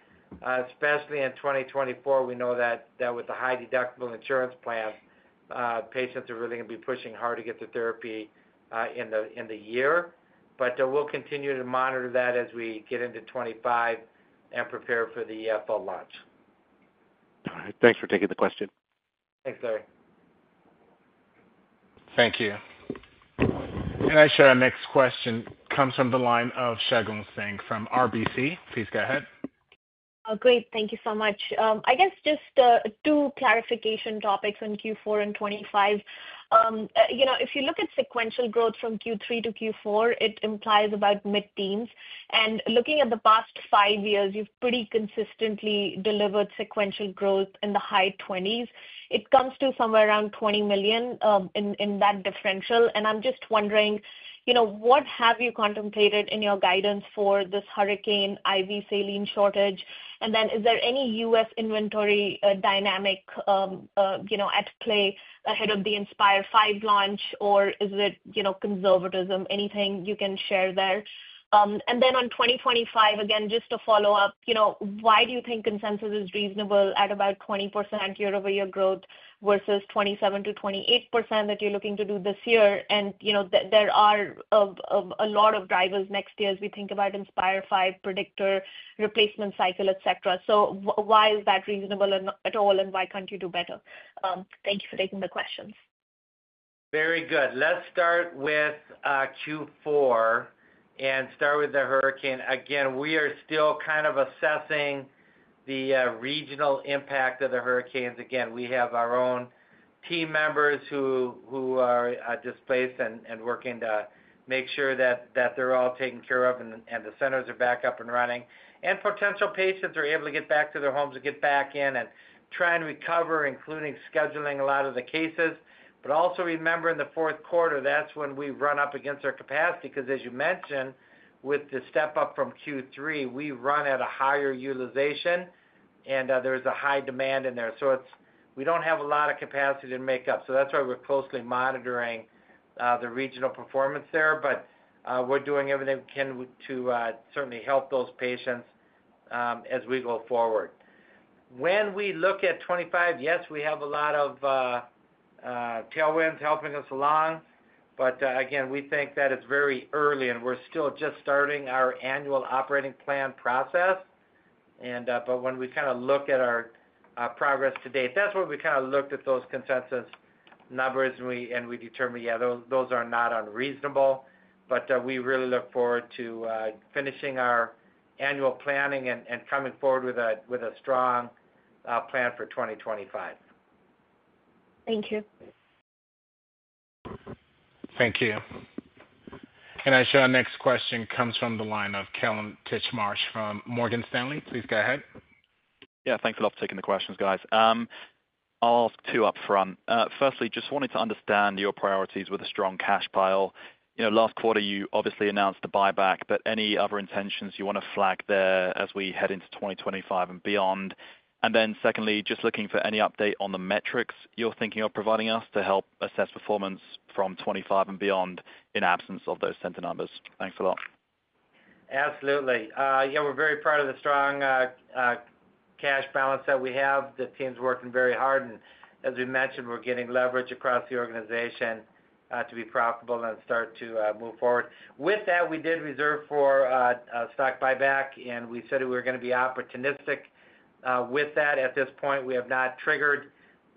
especially in 2024. We know that with the high deductible insurance plan, patients are really going to be pushing hard to get the therapy in the year. But we'll continue to monitor that as we get into 2025 and prepare for the full launch. All right. Thanks for taking the question. Thanks, Larry. Thank you. And our next question comes from the line of Shagun Singh from RBC. Please go ahead. Oh, great. Thank you so much. I guess just two clarification topics on fourth quarter and 2025. If you look at sequential growth from third quarter to fourth quarter, it implies about mid-teens. And looking at the past five years, you've pretty consistently delivered sequential growth in the high 20s. It comes to somewhere around $20 million in that differential. And I'm just wondering, what have you contemplated in your guidance for this IV saline shortage? And then is there any US inventory dynamic at play ahead of the Inspire V launch, or is it conservatism? Anything you can share there? And then on 2025, again, just to follow up, why do you think consensus is reasonable at about 20% year-over-year growth versus 27% to 28% that you're looking to do this year? And there are a lot of drivers next year as we think about Inspire V PREDICTOR replacement cycle, etc. So why is that reasonable at all, and why can't you do better? Thank you for taking the questions. Very good. Let's start with fourth quarter and start with the hurricane. Again, we are still kind of assessing the regional impact of the hurricanes. Again, we have our own team members who are displaced and working to make sure that they're all taken care of and the centers are back up and running. Potential patients are able to get back to their homes and get back in and try and recover, including scheduling a lot of the cases. Also remember in the fourth quarter, that's when we run up against our capacity because, as you mentioned, with the step up from third quarter, we run at a higher utilization, and there's a high demand in there. We don't have a lot of capacity to make up. That's why we're closely monitoring the regional performance there. We're doing everything we can to certainly help those patients as we go forward. When we look at 2025, yes, we have a lot of tailwinds helping us along. Again, we think that it's very early, and we're still just starting our annual operating plan process. But when we kind of look at our progress to date, that's where we kind of looked at those consensus numbers, and we determined, yeah, those are not unreasonable. But we really look forward to finishing our annual planning and coming forward with a strong plan for 2025. Thank you. Thank you. And our next question comes from the line of Kallum Titchmarsh from Morgan Stanley. Please go ahead. Yeah. Thanks a lot for taking the questions, guys. I'll ask two upfront. Firstly, just wanted to understand your priorities with a strong cash pile. Last quarter, you obviously announced the buyback, but any other intentions you want to flag there as we head into 2025 and beyond? And then secondly, just looking for any update on the metrics you're thinking of providing us to help assess performance from 2025 and beyond in absence of those center numbers. Thanks a lot. Absolutely. Yeah, we're very proud of the strong cash balance that we have. The team's working very hard. And as we mentioned, we're getting leverage across the organization to be profitable and start to move forward. With that, we did reserve for a stock buyback, and we said we were going to be opportunistic with that. At this point, we have not triggered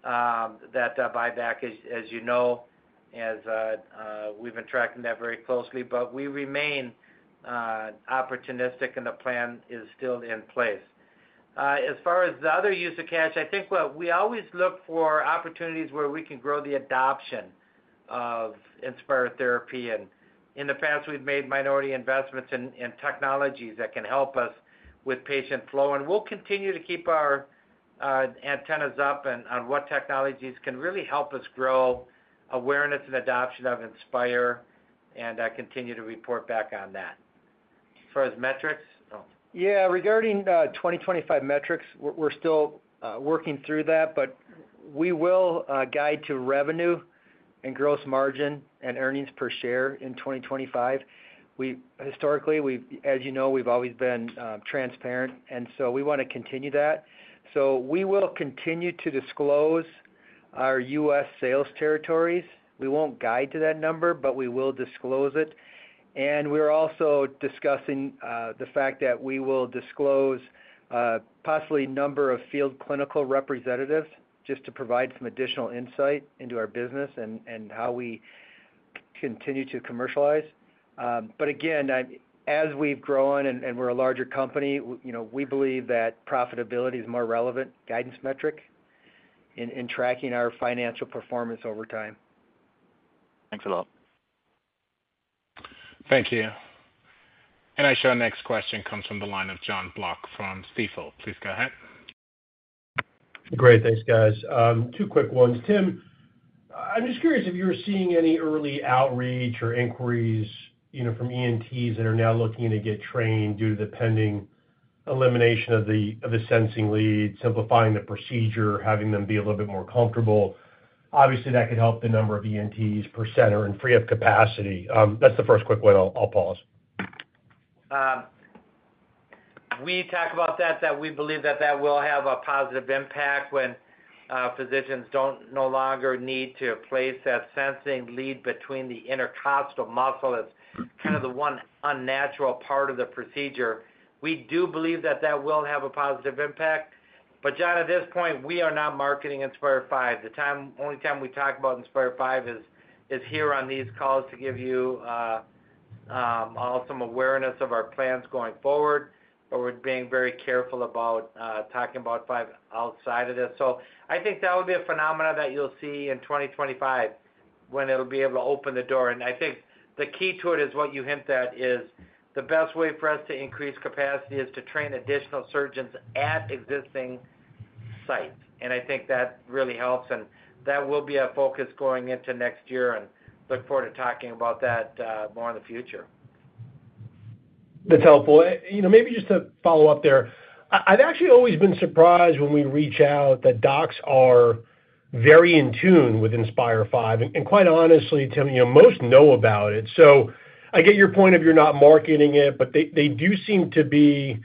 that buyback, as you know, as we've been tracking that very closely. But we remain opportunistic, and the plan is still in place. As far as the other use of cash, I think we always look for opportunities where we can grow the adoption of Inspire therapy. And in the past, we've made minority investments in technologies that can help us with patient flow. We'll continue to keep our antennas up on what technologies can really help us grow awareness and adoption of Inspire and continue to report back on that. As far as metrics, yeah, regarding 2025 metrics, we're still working through that, but we will guide to revenue and gross margin and earnings per share in 2025. Historically, as you know, we've always been transparent, and so we want to continue that. We will continue to disclose our US sales territories. We won't guide to that number, but we will disclose it. We're also discussing the fact that we will disclose possibly a number of field clinical representatives just to provide some additional insight into our business and how we continue to commercialize. But again, as we've grown and we're a larger company, we believe that profitability is a more relevant guidance metric in tracking our financial performance over time. Thanks a lot. Thank you. And our next question comes from the line of Jon Block from Stifel. Please go ahead. Great. Thanks, guys. Two quick ones. Tim, I'm just curious if you were seeing any early outreach or inquiries from ENTs that are now looking to get trained due to the pending elimination of the sensing lead, simplifying the procedure, having them be a little bit more comfortable. Obviously, that could help the number of ENTs per center and free up capacity. That's the first quick one. I'll pause. We talk about that. We believe that will have a positive impact when physicians don't no longer need to place that sensing lead between the intercostal muscle. It's kind of the one unnatural part of the procedure. We do believe that that will have a positive impact. But Jon, at this point, we are not marketing Inspire V. The only time we talk about Inspire V is here on these calls to give you all some awareness of our plans going forward, but we're being very careful about talking about 5 outside of this. So, I think that will be a phenomenon that you'll see in 2025 when it'll be able to open the door. And I think the key to it is what you hint at is the best way for us to increase capacity is to train additional surgeons at existing sites. And I think that really helps. And that will be a focus going into next year, and look forward to talking about that more in the future. That's helpful. Maybe just to follow up there, I've actually always been surprised when we reach out that docs are very in tune with Inspire V. And quite honestly, Tim, most know about it. So, I get your point of you're not marketing it, but they do seem to be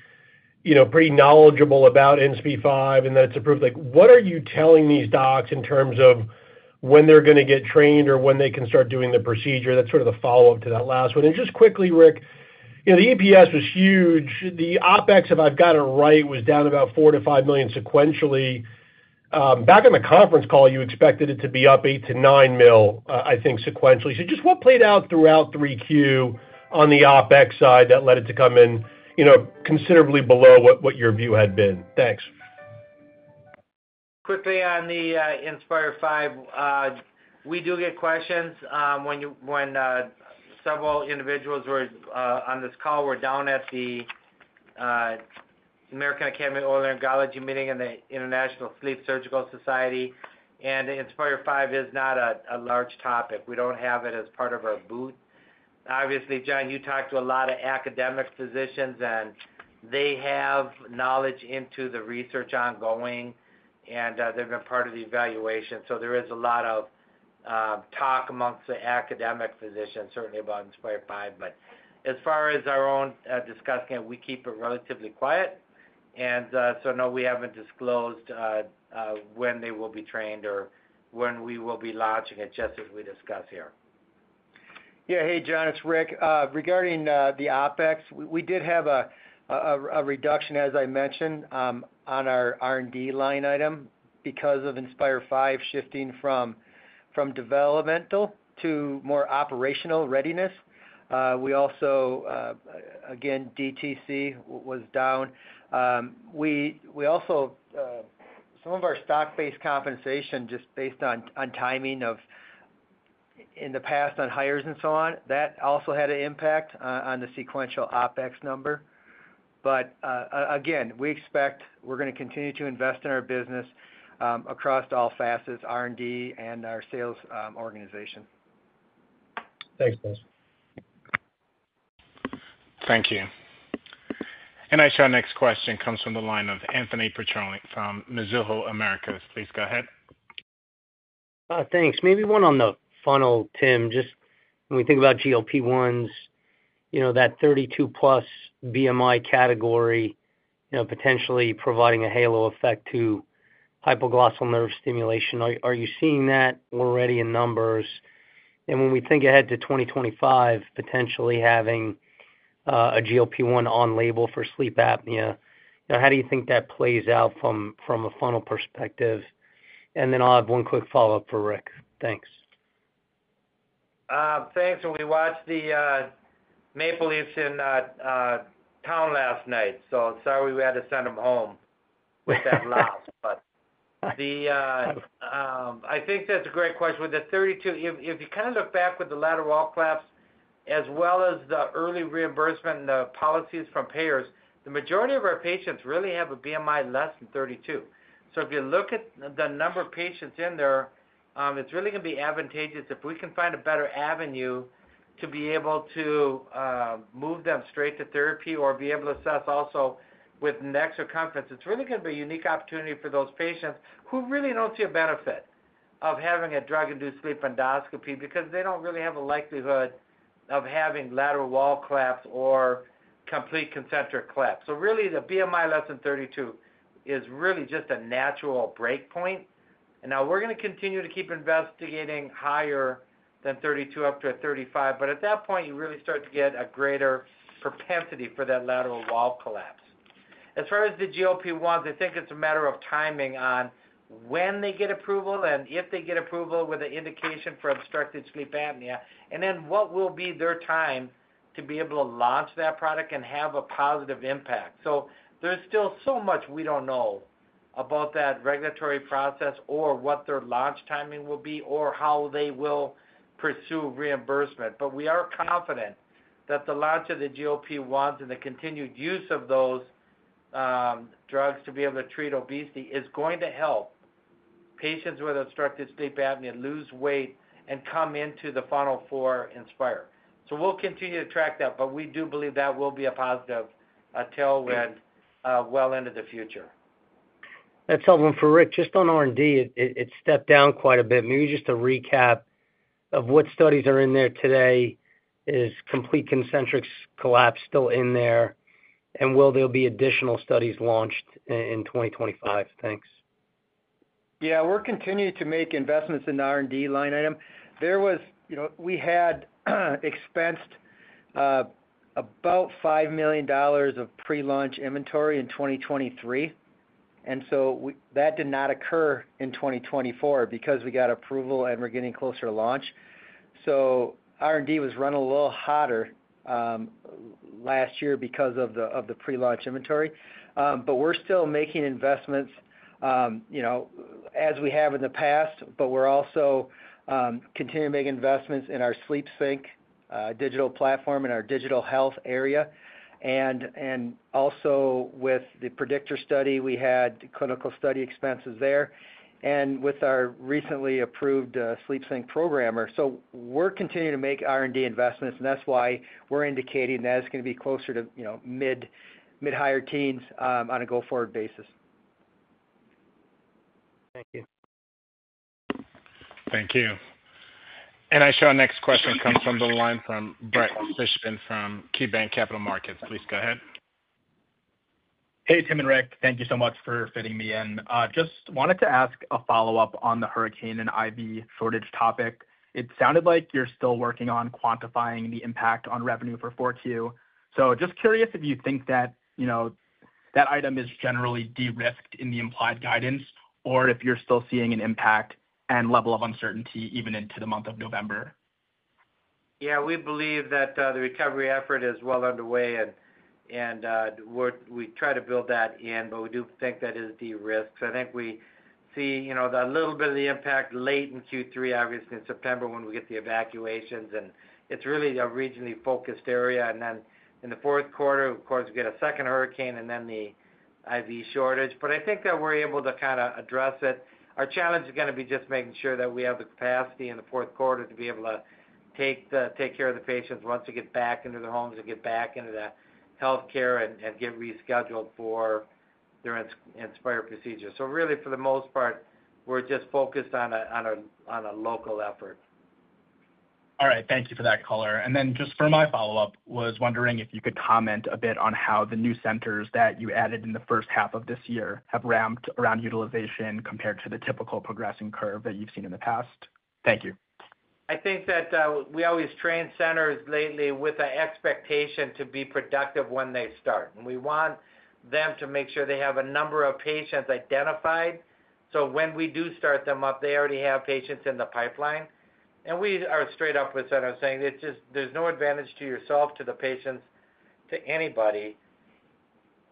pretty knowledgeable about Inspire V and that it's approved. What are you telling these docs in terms of when they're going to get trained or when they can start doing the procedure? That's sort of the follow-up to that last one. And just quickly, Rick, the EPS was huge. The OpEx, if I've got it right, was down about 4 to 5 million sequentially. Back on the conference call, you expected it to be up 8 to 9 million, I think, sequentially. So, just what played out throughout 3Q on the OpEx side that led it to come in considerably below what your view had been? Thanks. Quickly on the Inspire V, we do get questions, when several individuals on this call were down at the American Academy of Otolaryngology meeting and the International Sleep Surgical Society. And Inspire V is not a large topic. We don't have it as part of our booth. Obviously, Jon, you talked to a lot of academic physicians, and they have knowledge into the research ongoing, and they've been part of the evaluation. So, there is a lot of talk amongst the academic physicians, certainly about Inspire V. But as far as our own discussion, we keep it relatively quiet. And so no, we haven't disclosed when they will be trained or when we will be launching it, just as we discuss here. Yeah. Hey, Jon, it's Rick. Regarding the OpEx, we did have a reduction, as I mentioned, on our R&D line item because of Inspire V shifting from developmental to more operational readiness. We also, again, DTC was down. Some of our stock-based compensation, just based on timing of in the past on hires and so on, that also had an impact on the sequential OpEx number. But again, we expect we're going to continue to invest in our business across all facets, R&D and our sales organization. Thanks, guys. Thank you. And our next question comes from the line of Anthony Petrone from Mizuho Americas. Please go ahead. Thanks. Maybe one on the funnel, Tim. Just when we think about GLP-1s, that 32-plus BMI category potentially providing a halo effect to hypoglossal nerve stimulation. Are you seeing that already in numbers? When we think ahead to 2025, potentially having a GLP-1 on label for sleep apnea, how do you think that plays out from a funnel perspective? Then I'll have one quick follow-up for Rick. Thanks. Thanks. We watched the Maple Leafs in town last night. Sorry we had to send them home with that loss. I think that's a great question. With the 32, if you kind of look back with the lateral wall collapse, as well as the early reimbursement and the policies from payers, the majority of our patients really have a BMI less than 32. If you look at the number of patients in there, it's really going to be advantageous if we can find a better avenue to be able to move them straight to therapy or be able to assess also with neck circumference. It's really going to be a unique opportunity for those patients who really don't see a benefit of having a drug-induced sleep endoscopy because they don't really have a likelihood of having lateral wall collapse or complete concentric collapse. So really, the BMI less than 32 is really just a natural breakpoint, and now we're going to continue to keep investigating higher than 32 up to 35, but at that point, you really start to get a greater propensity for that lateral wall collapse. As far as the GLP-1s, I think it's a matter of timing on when they get approval and if they get approval with an indication for obstructive sleep apnea, and then what will be their time to be able to launch that product and have a positive impact. There's still so much we don't know about that regulatory process or what their launch timing will be or how they will pursue reimbursement. But we are confident that the launch of the GLP-1s and the continued use of those drugs to be able to treat obesity is going to help patients with obstructive sleep apnea lose weight and come into the BMI 40 for Inspire. So we'll continue to track that, but we do believe that will be a positive tailwind well into the future. That's helpful. And for Rick, just on R&D, it stepped down quite a bit. Maybe just a recap of what studies are in there today. Is complete concentric collapse still in there, and will there be additional studies launched in 2025? Thanks. Yeah. We're continuing to make investments in the R&D line item. We had expensed about $5 million of pre-launch inventory in 2023. And so that did not occur in 2024 because we got approval and we're getting closer to launch. So R&D was running a little hotter last year because of the pre-launch inventory. But we're still making investments as we have in the past, but we're also continuing to make investments in our SleepSync digital platform in our digital health area. And also with the PREDICTOR study, we had clinical study expenses there and with our recently approved SleepSync programmer. So, we're continuing to make R&D investments, and that's why we're indicating that it's going to be closer to mid-higher teens on a go-forward basis. Thank you. Thank you. And I show our next question comes from the line from Brett Fishbin from KeyBanc Capital Markets. Please go ahead. Hey, Tim and Rick. Thank you so much for fitting me in. Just wanted to ask a follow-up on the hurricane and IV shortage topic. It sounded like you're still working on quantifying the impact on revenue for 4Q. So just curious if you think that that item is generally de-risked in the implied guidance or if you're still seeing an impact and level of uncertainty even into the month of November. Yeah. We believe that the recovery effort is well underway, and we try to build that in, but we do think that is de-risked. I think we see a little bit of the impact late in third quarter, obviously, in September when we get the evacuations. And it's really a regionally focused area. And then in the fourth quarter, of course, we get a second hurricane and then the IV shortage. But I think that we're able to kind of address it. Our challenge is going to be just making sure that we have the capacity in the fourth quarter to be able to take care of the patients once they get back into their homes and get back into the healthcare and get rescheduled for their Inspire procedure. So really, for the most part, we're just focused on a local effort. All right. Thank you for that, Caller. And then just for my follow-up, was wondering if you could comment a bit on how the new centers that you added in the first half of this year have ramped around utilization compared to the typical progression curve that you've seen in the past. Thank you. I think that we always train centers lately with an expectation to be productive when they start. And we want them to make sure they have a number of patients identified. So, when we do start them up, they already have patients in the pipeline. And we are straight up with centers saying there's no advantage to yourself, to the patients, to anybody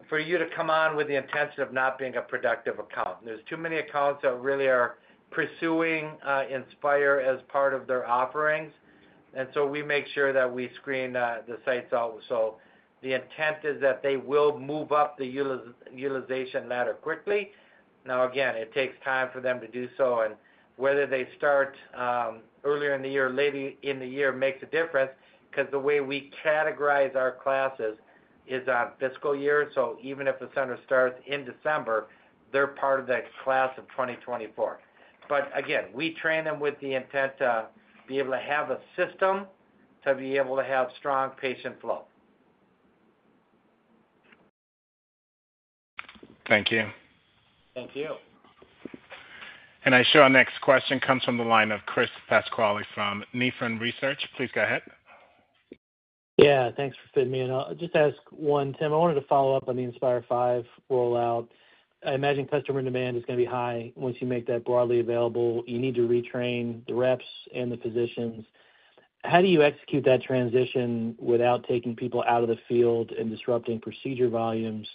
for you to come on with the intention of not being a productive account. There's too many accounts that really are pursuing Inspire as part of their offerings. And so we make sure that we screen the sites out. So, the intent is that they will move up the utilization ladder quickly. Now, again, it takes time for them to do so. And whether they start earlier in the year or later in the year makes a difference because the way we categorize our classes is on fiscal year. So even if a center starts in December, they're part of that class of 2024. But again, we train them with the intent to be able to have a system to be able to have strong patient flow. Thank you. Thank you. And our next question comes from the line of Chris Pasquale from Nephron Research. Please go ahead. Yeah. Thanks for fitting me in. I'll just ask one, Tim. I wanted to follow up on the Inspire V rollout. I imagine customer demand is going to be high once you make that broadly available. You need to retrain the reps and the physicians. How do you execute that transition without taking people out of the field and disrupting procedure volumes?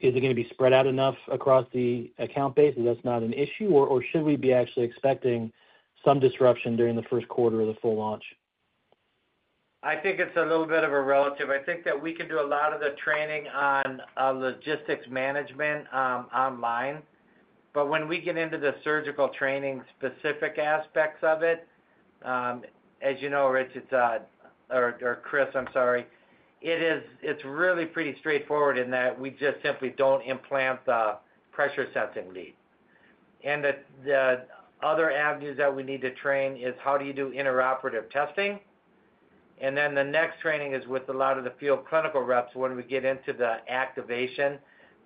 Is it going to be spread out enough across the account base that that's not an issue, or should we be actually expecting some disruption during the first quarter of the full launch? I think it's a little bit of a relative. I think that we can do a lot of the training on logistics management online. But when we get into the surgical training specific aspects of it, as you know, Rick, or Chris, I'm sorry, it's really pretty straightforward in that we just simply don't implant the pressure-sensing lead. And the other avenues that we need to train is how do you do intraoperative testing. And then the next training is with a lot of the field clinical reps when we get into the activation.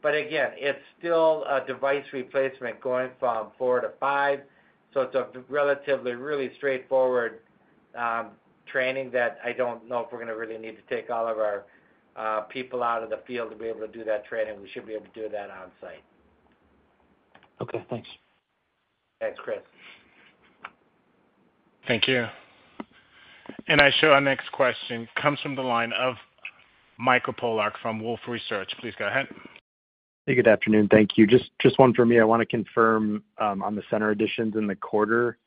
But again, it's still a device replacement going from 4 to 5. So it's a relatively really straightforward training that I don't know if we're going to really need to take all of our people out of the field to be able to do that training. We should be able to do that on-site. Okay. Thanks. Thanks, Chris. Thank you. I show our next question comes from the line of Michael Polark from Wolfe Research. Please go ahead. Hey, good afternoon. Thank you. Just one from me. I want to confirm on the center additions in the quarter,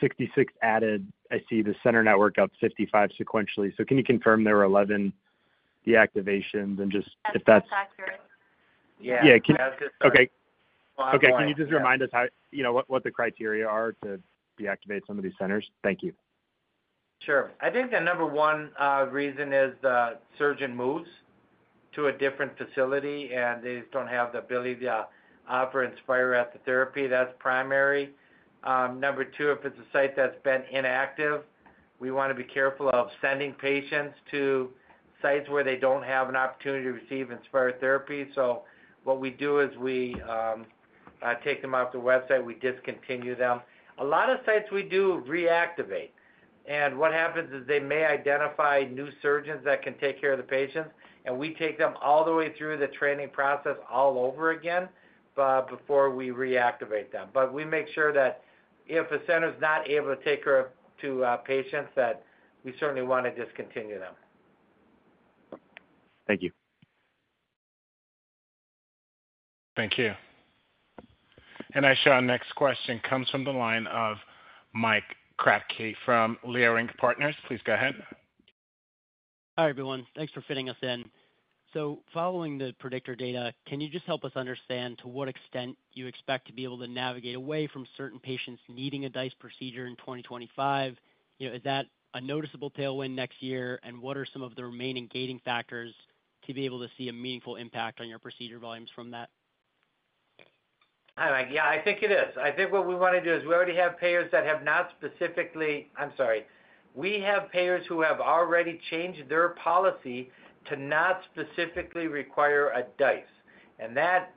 66 added. I see the center network up 55 sequentially. So can you confirm there were 11 deactivations and just if that's? That's accurate. Yeah. Yeah. Okay. Okay. Can you just remind us what the criteria are to deactivate some of these centers? Thank you. Sure. I think the number one reason is the surgeon moves to a different facility, and they just don't have the ability to offer Inspire therapy. That's primary. Number two, if it's a site that's been inactive, we want to be careful of sending patients to sites where they don't have an opportunity to receive Inspire therapy. So what we do is we take them off the website. We discontinue them. A lot of sites we do reactivate. And what happens is they may identify new surgeons that can take care of the patients, and we take them all the way through the training process all over again before we reactivate them. But we make sure that if a center is not able to take care of two patients, that we certainly want to discontinue them. Thank you. Thank you. And our next question comes from the line of Mike Kratky from Leerink Partners. Please go ahead. Hi everyone. Thanks for fitting us in. So, following the PREDICTOR data, can you just help us understand to what extent you expect to be able to navigate away from certain patients needing a DISE procedure in 2025? Is that a noticeable tailwind next year, and what are some of the remaining gating factors to be able to see a meaningful impact on your procedure volumes from that? Yeah. I think it is. I think what we want to do is we already have payers that have not specifically. I'm sorry. We have payers who have already changed their policy to not specifically require a DISE. And that's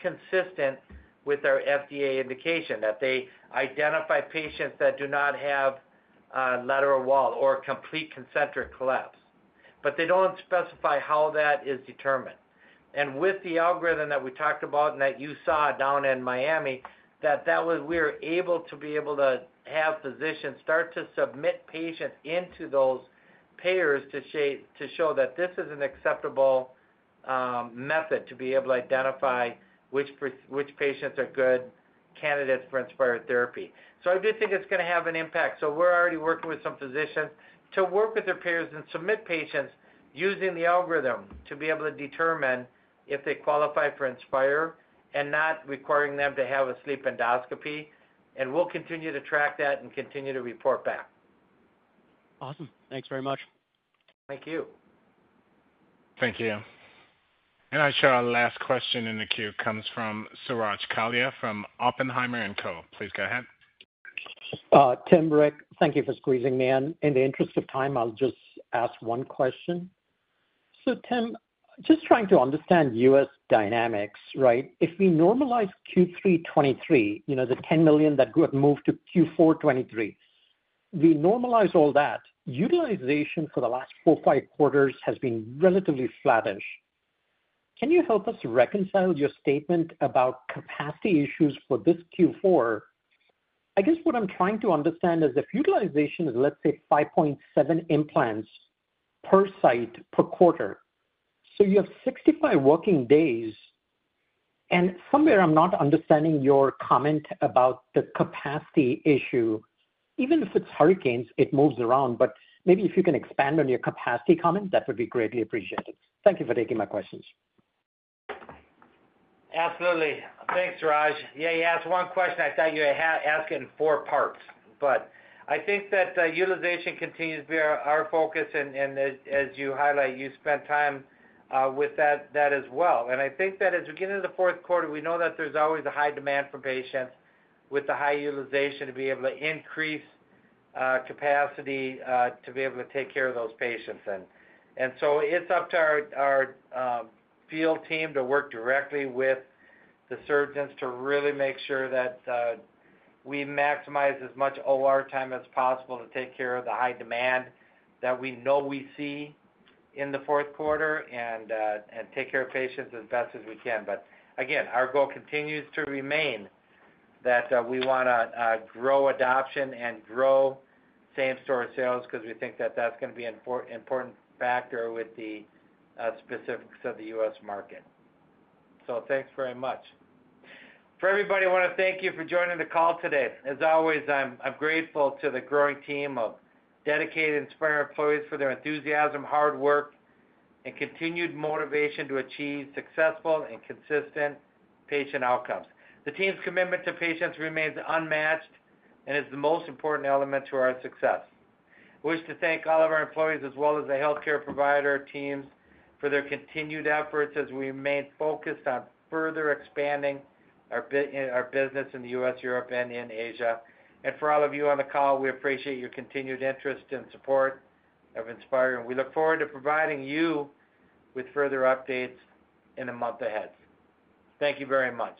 consistent with our FDA indication that they identify patients that do not have lateral wall or complete concentric collapse. But they don't specify how that is determined. And with the algorithm that we talked about and that you saw down in Miami, that we're able to be able to have physicians start to submit patients into those payers to show that this is an acceptable method to be able to identify which patients are good candidates for Inspire therapy. So I do think it's going to have an impact. So we're already working with some physicians to work with their payers and submit patients using the algorithm to be able to determine if they qualify for Inspire and not requiring them to have a sleep endoscopy. And we'll continue to track that and continue to report back. Awesome. Thanks very much. Thank you. Thank you. And I show our last question in the queue comes from Suraj Kalia from Oppenheimer & Co. Please go ahead. Tim, Rick, thank you for squeezing me in. In the interest of time, I'll just ask one question. So Tim, just trying to understand US dynamics, right? If we normalize third quarter 2023, the $10 million that got moved to fourth quarter 2023, we normalize all that, utilization for the last four, five quarters has been relatively flattish. Can you help us reconcile your statement about capacity issues for this fourth quarter? I guess what I'm trying to understand is if utilization is, let's say, 5.7 implants per site per quarter, so you have 65 working days. And somewhere I'm not understanding your comment about the capacity issue. Even if it's hurricanes, it moves around. But maybe if you can expand on your capacity comment, that would be greatly appreciated. Thank you for taking my questions. Absolutely. Thanks, Raj. Yeah. You asked one question. I thought you were asking four parts. But I think that utilization continues to be our focus. And as you highlight, you spent time with that as well. And I think that as we get into the fourth quarter, we know that there's always a high demand for patients with the high utilization to be able to increase capacity to be able to take care of those patients. And so, it's up to our field team to work directly with the surgeons to really make sure that we maximize as much OR time as possible to take care of the high demand that we know we see in the fourth quarter and take care of patients as best as we can. But again, our goal continues to remain that we want to grow adoption and grow same-store sales because we think that that's going to be an important factor with the specifics of the US market. So, thanks very much. For everybody, I want to thank you for joining the call today. As always, I'm grateful to the growing team of dedicated Inspire employees for their enthusiasm, hard work, and continued motivation to achieve successful and consistent patient outcomes. The team's commitment to patients remains unmatched and is the most important element to our success. I wish to thank all of our employees as well as the healthcare provider teams for their continued efforts as we remain focused on further expanding our business in the US, Europe, and in Asia, and for all of you on the call, we appreciate your continued interest and support of Inspire, and we look forward to providing you with further updates in a month ahead. Thank you very much.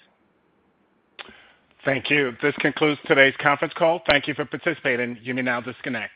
Thank you. This concludes today's conference call. Thank you for participating. You may now disconnect.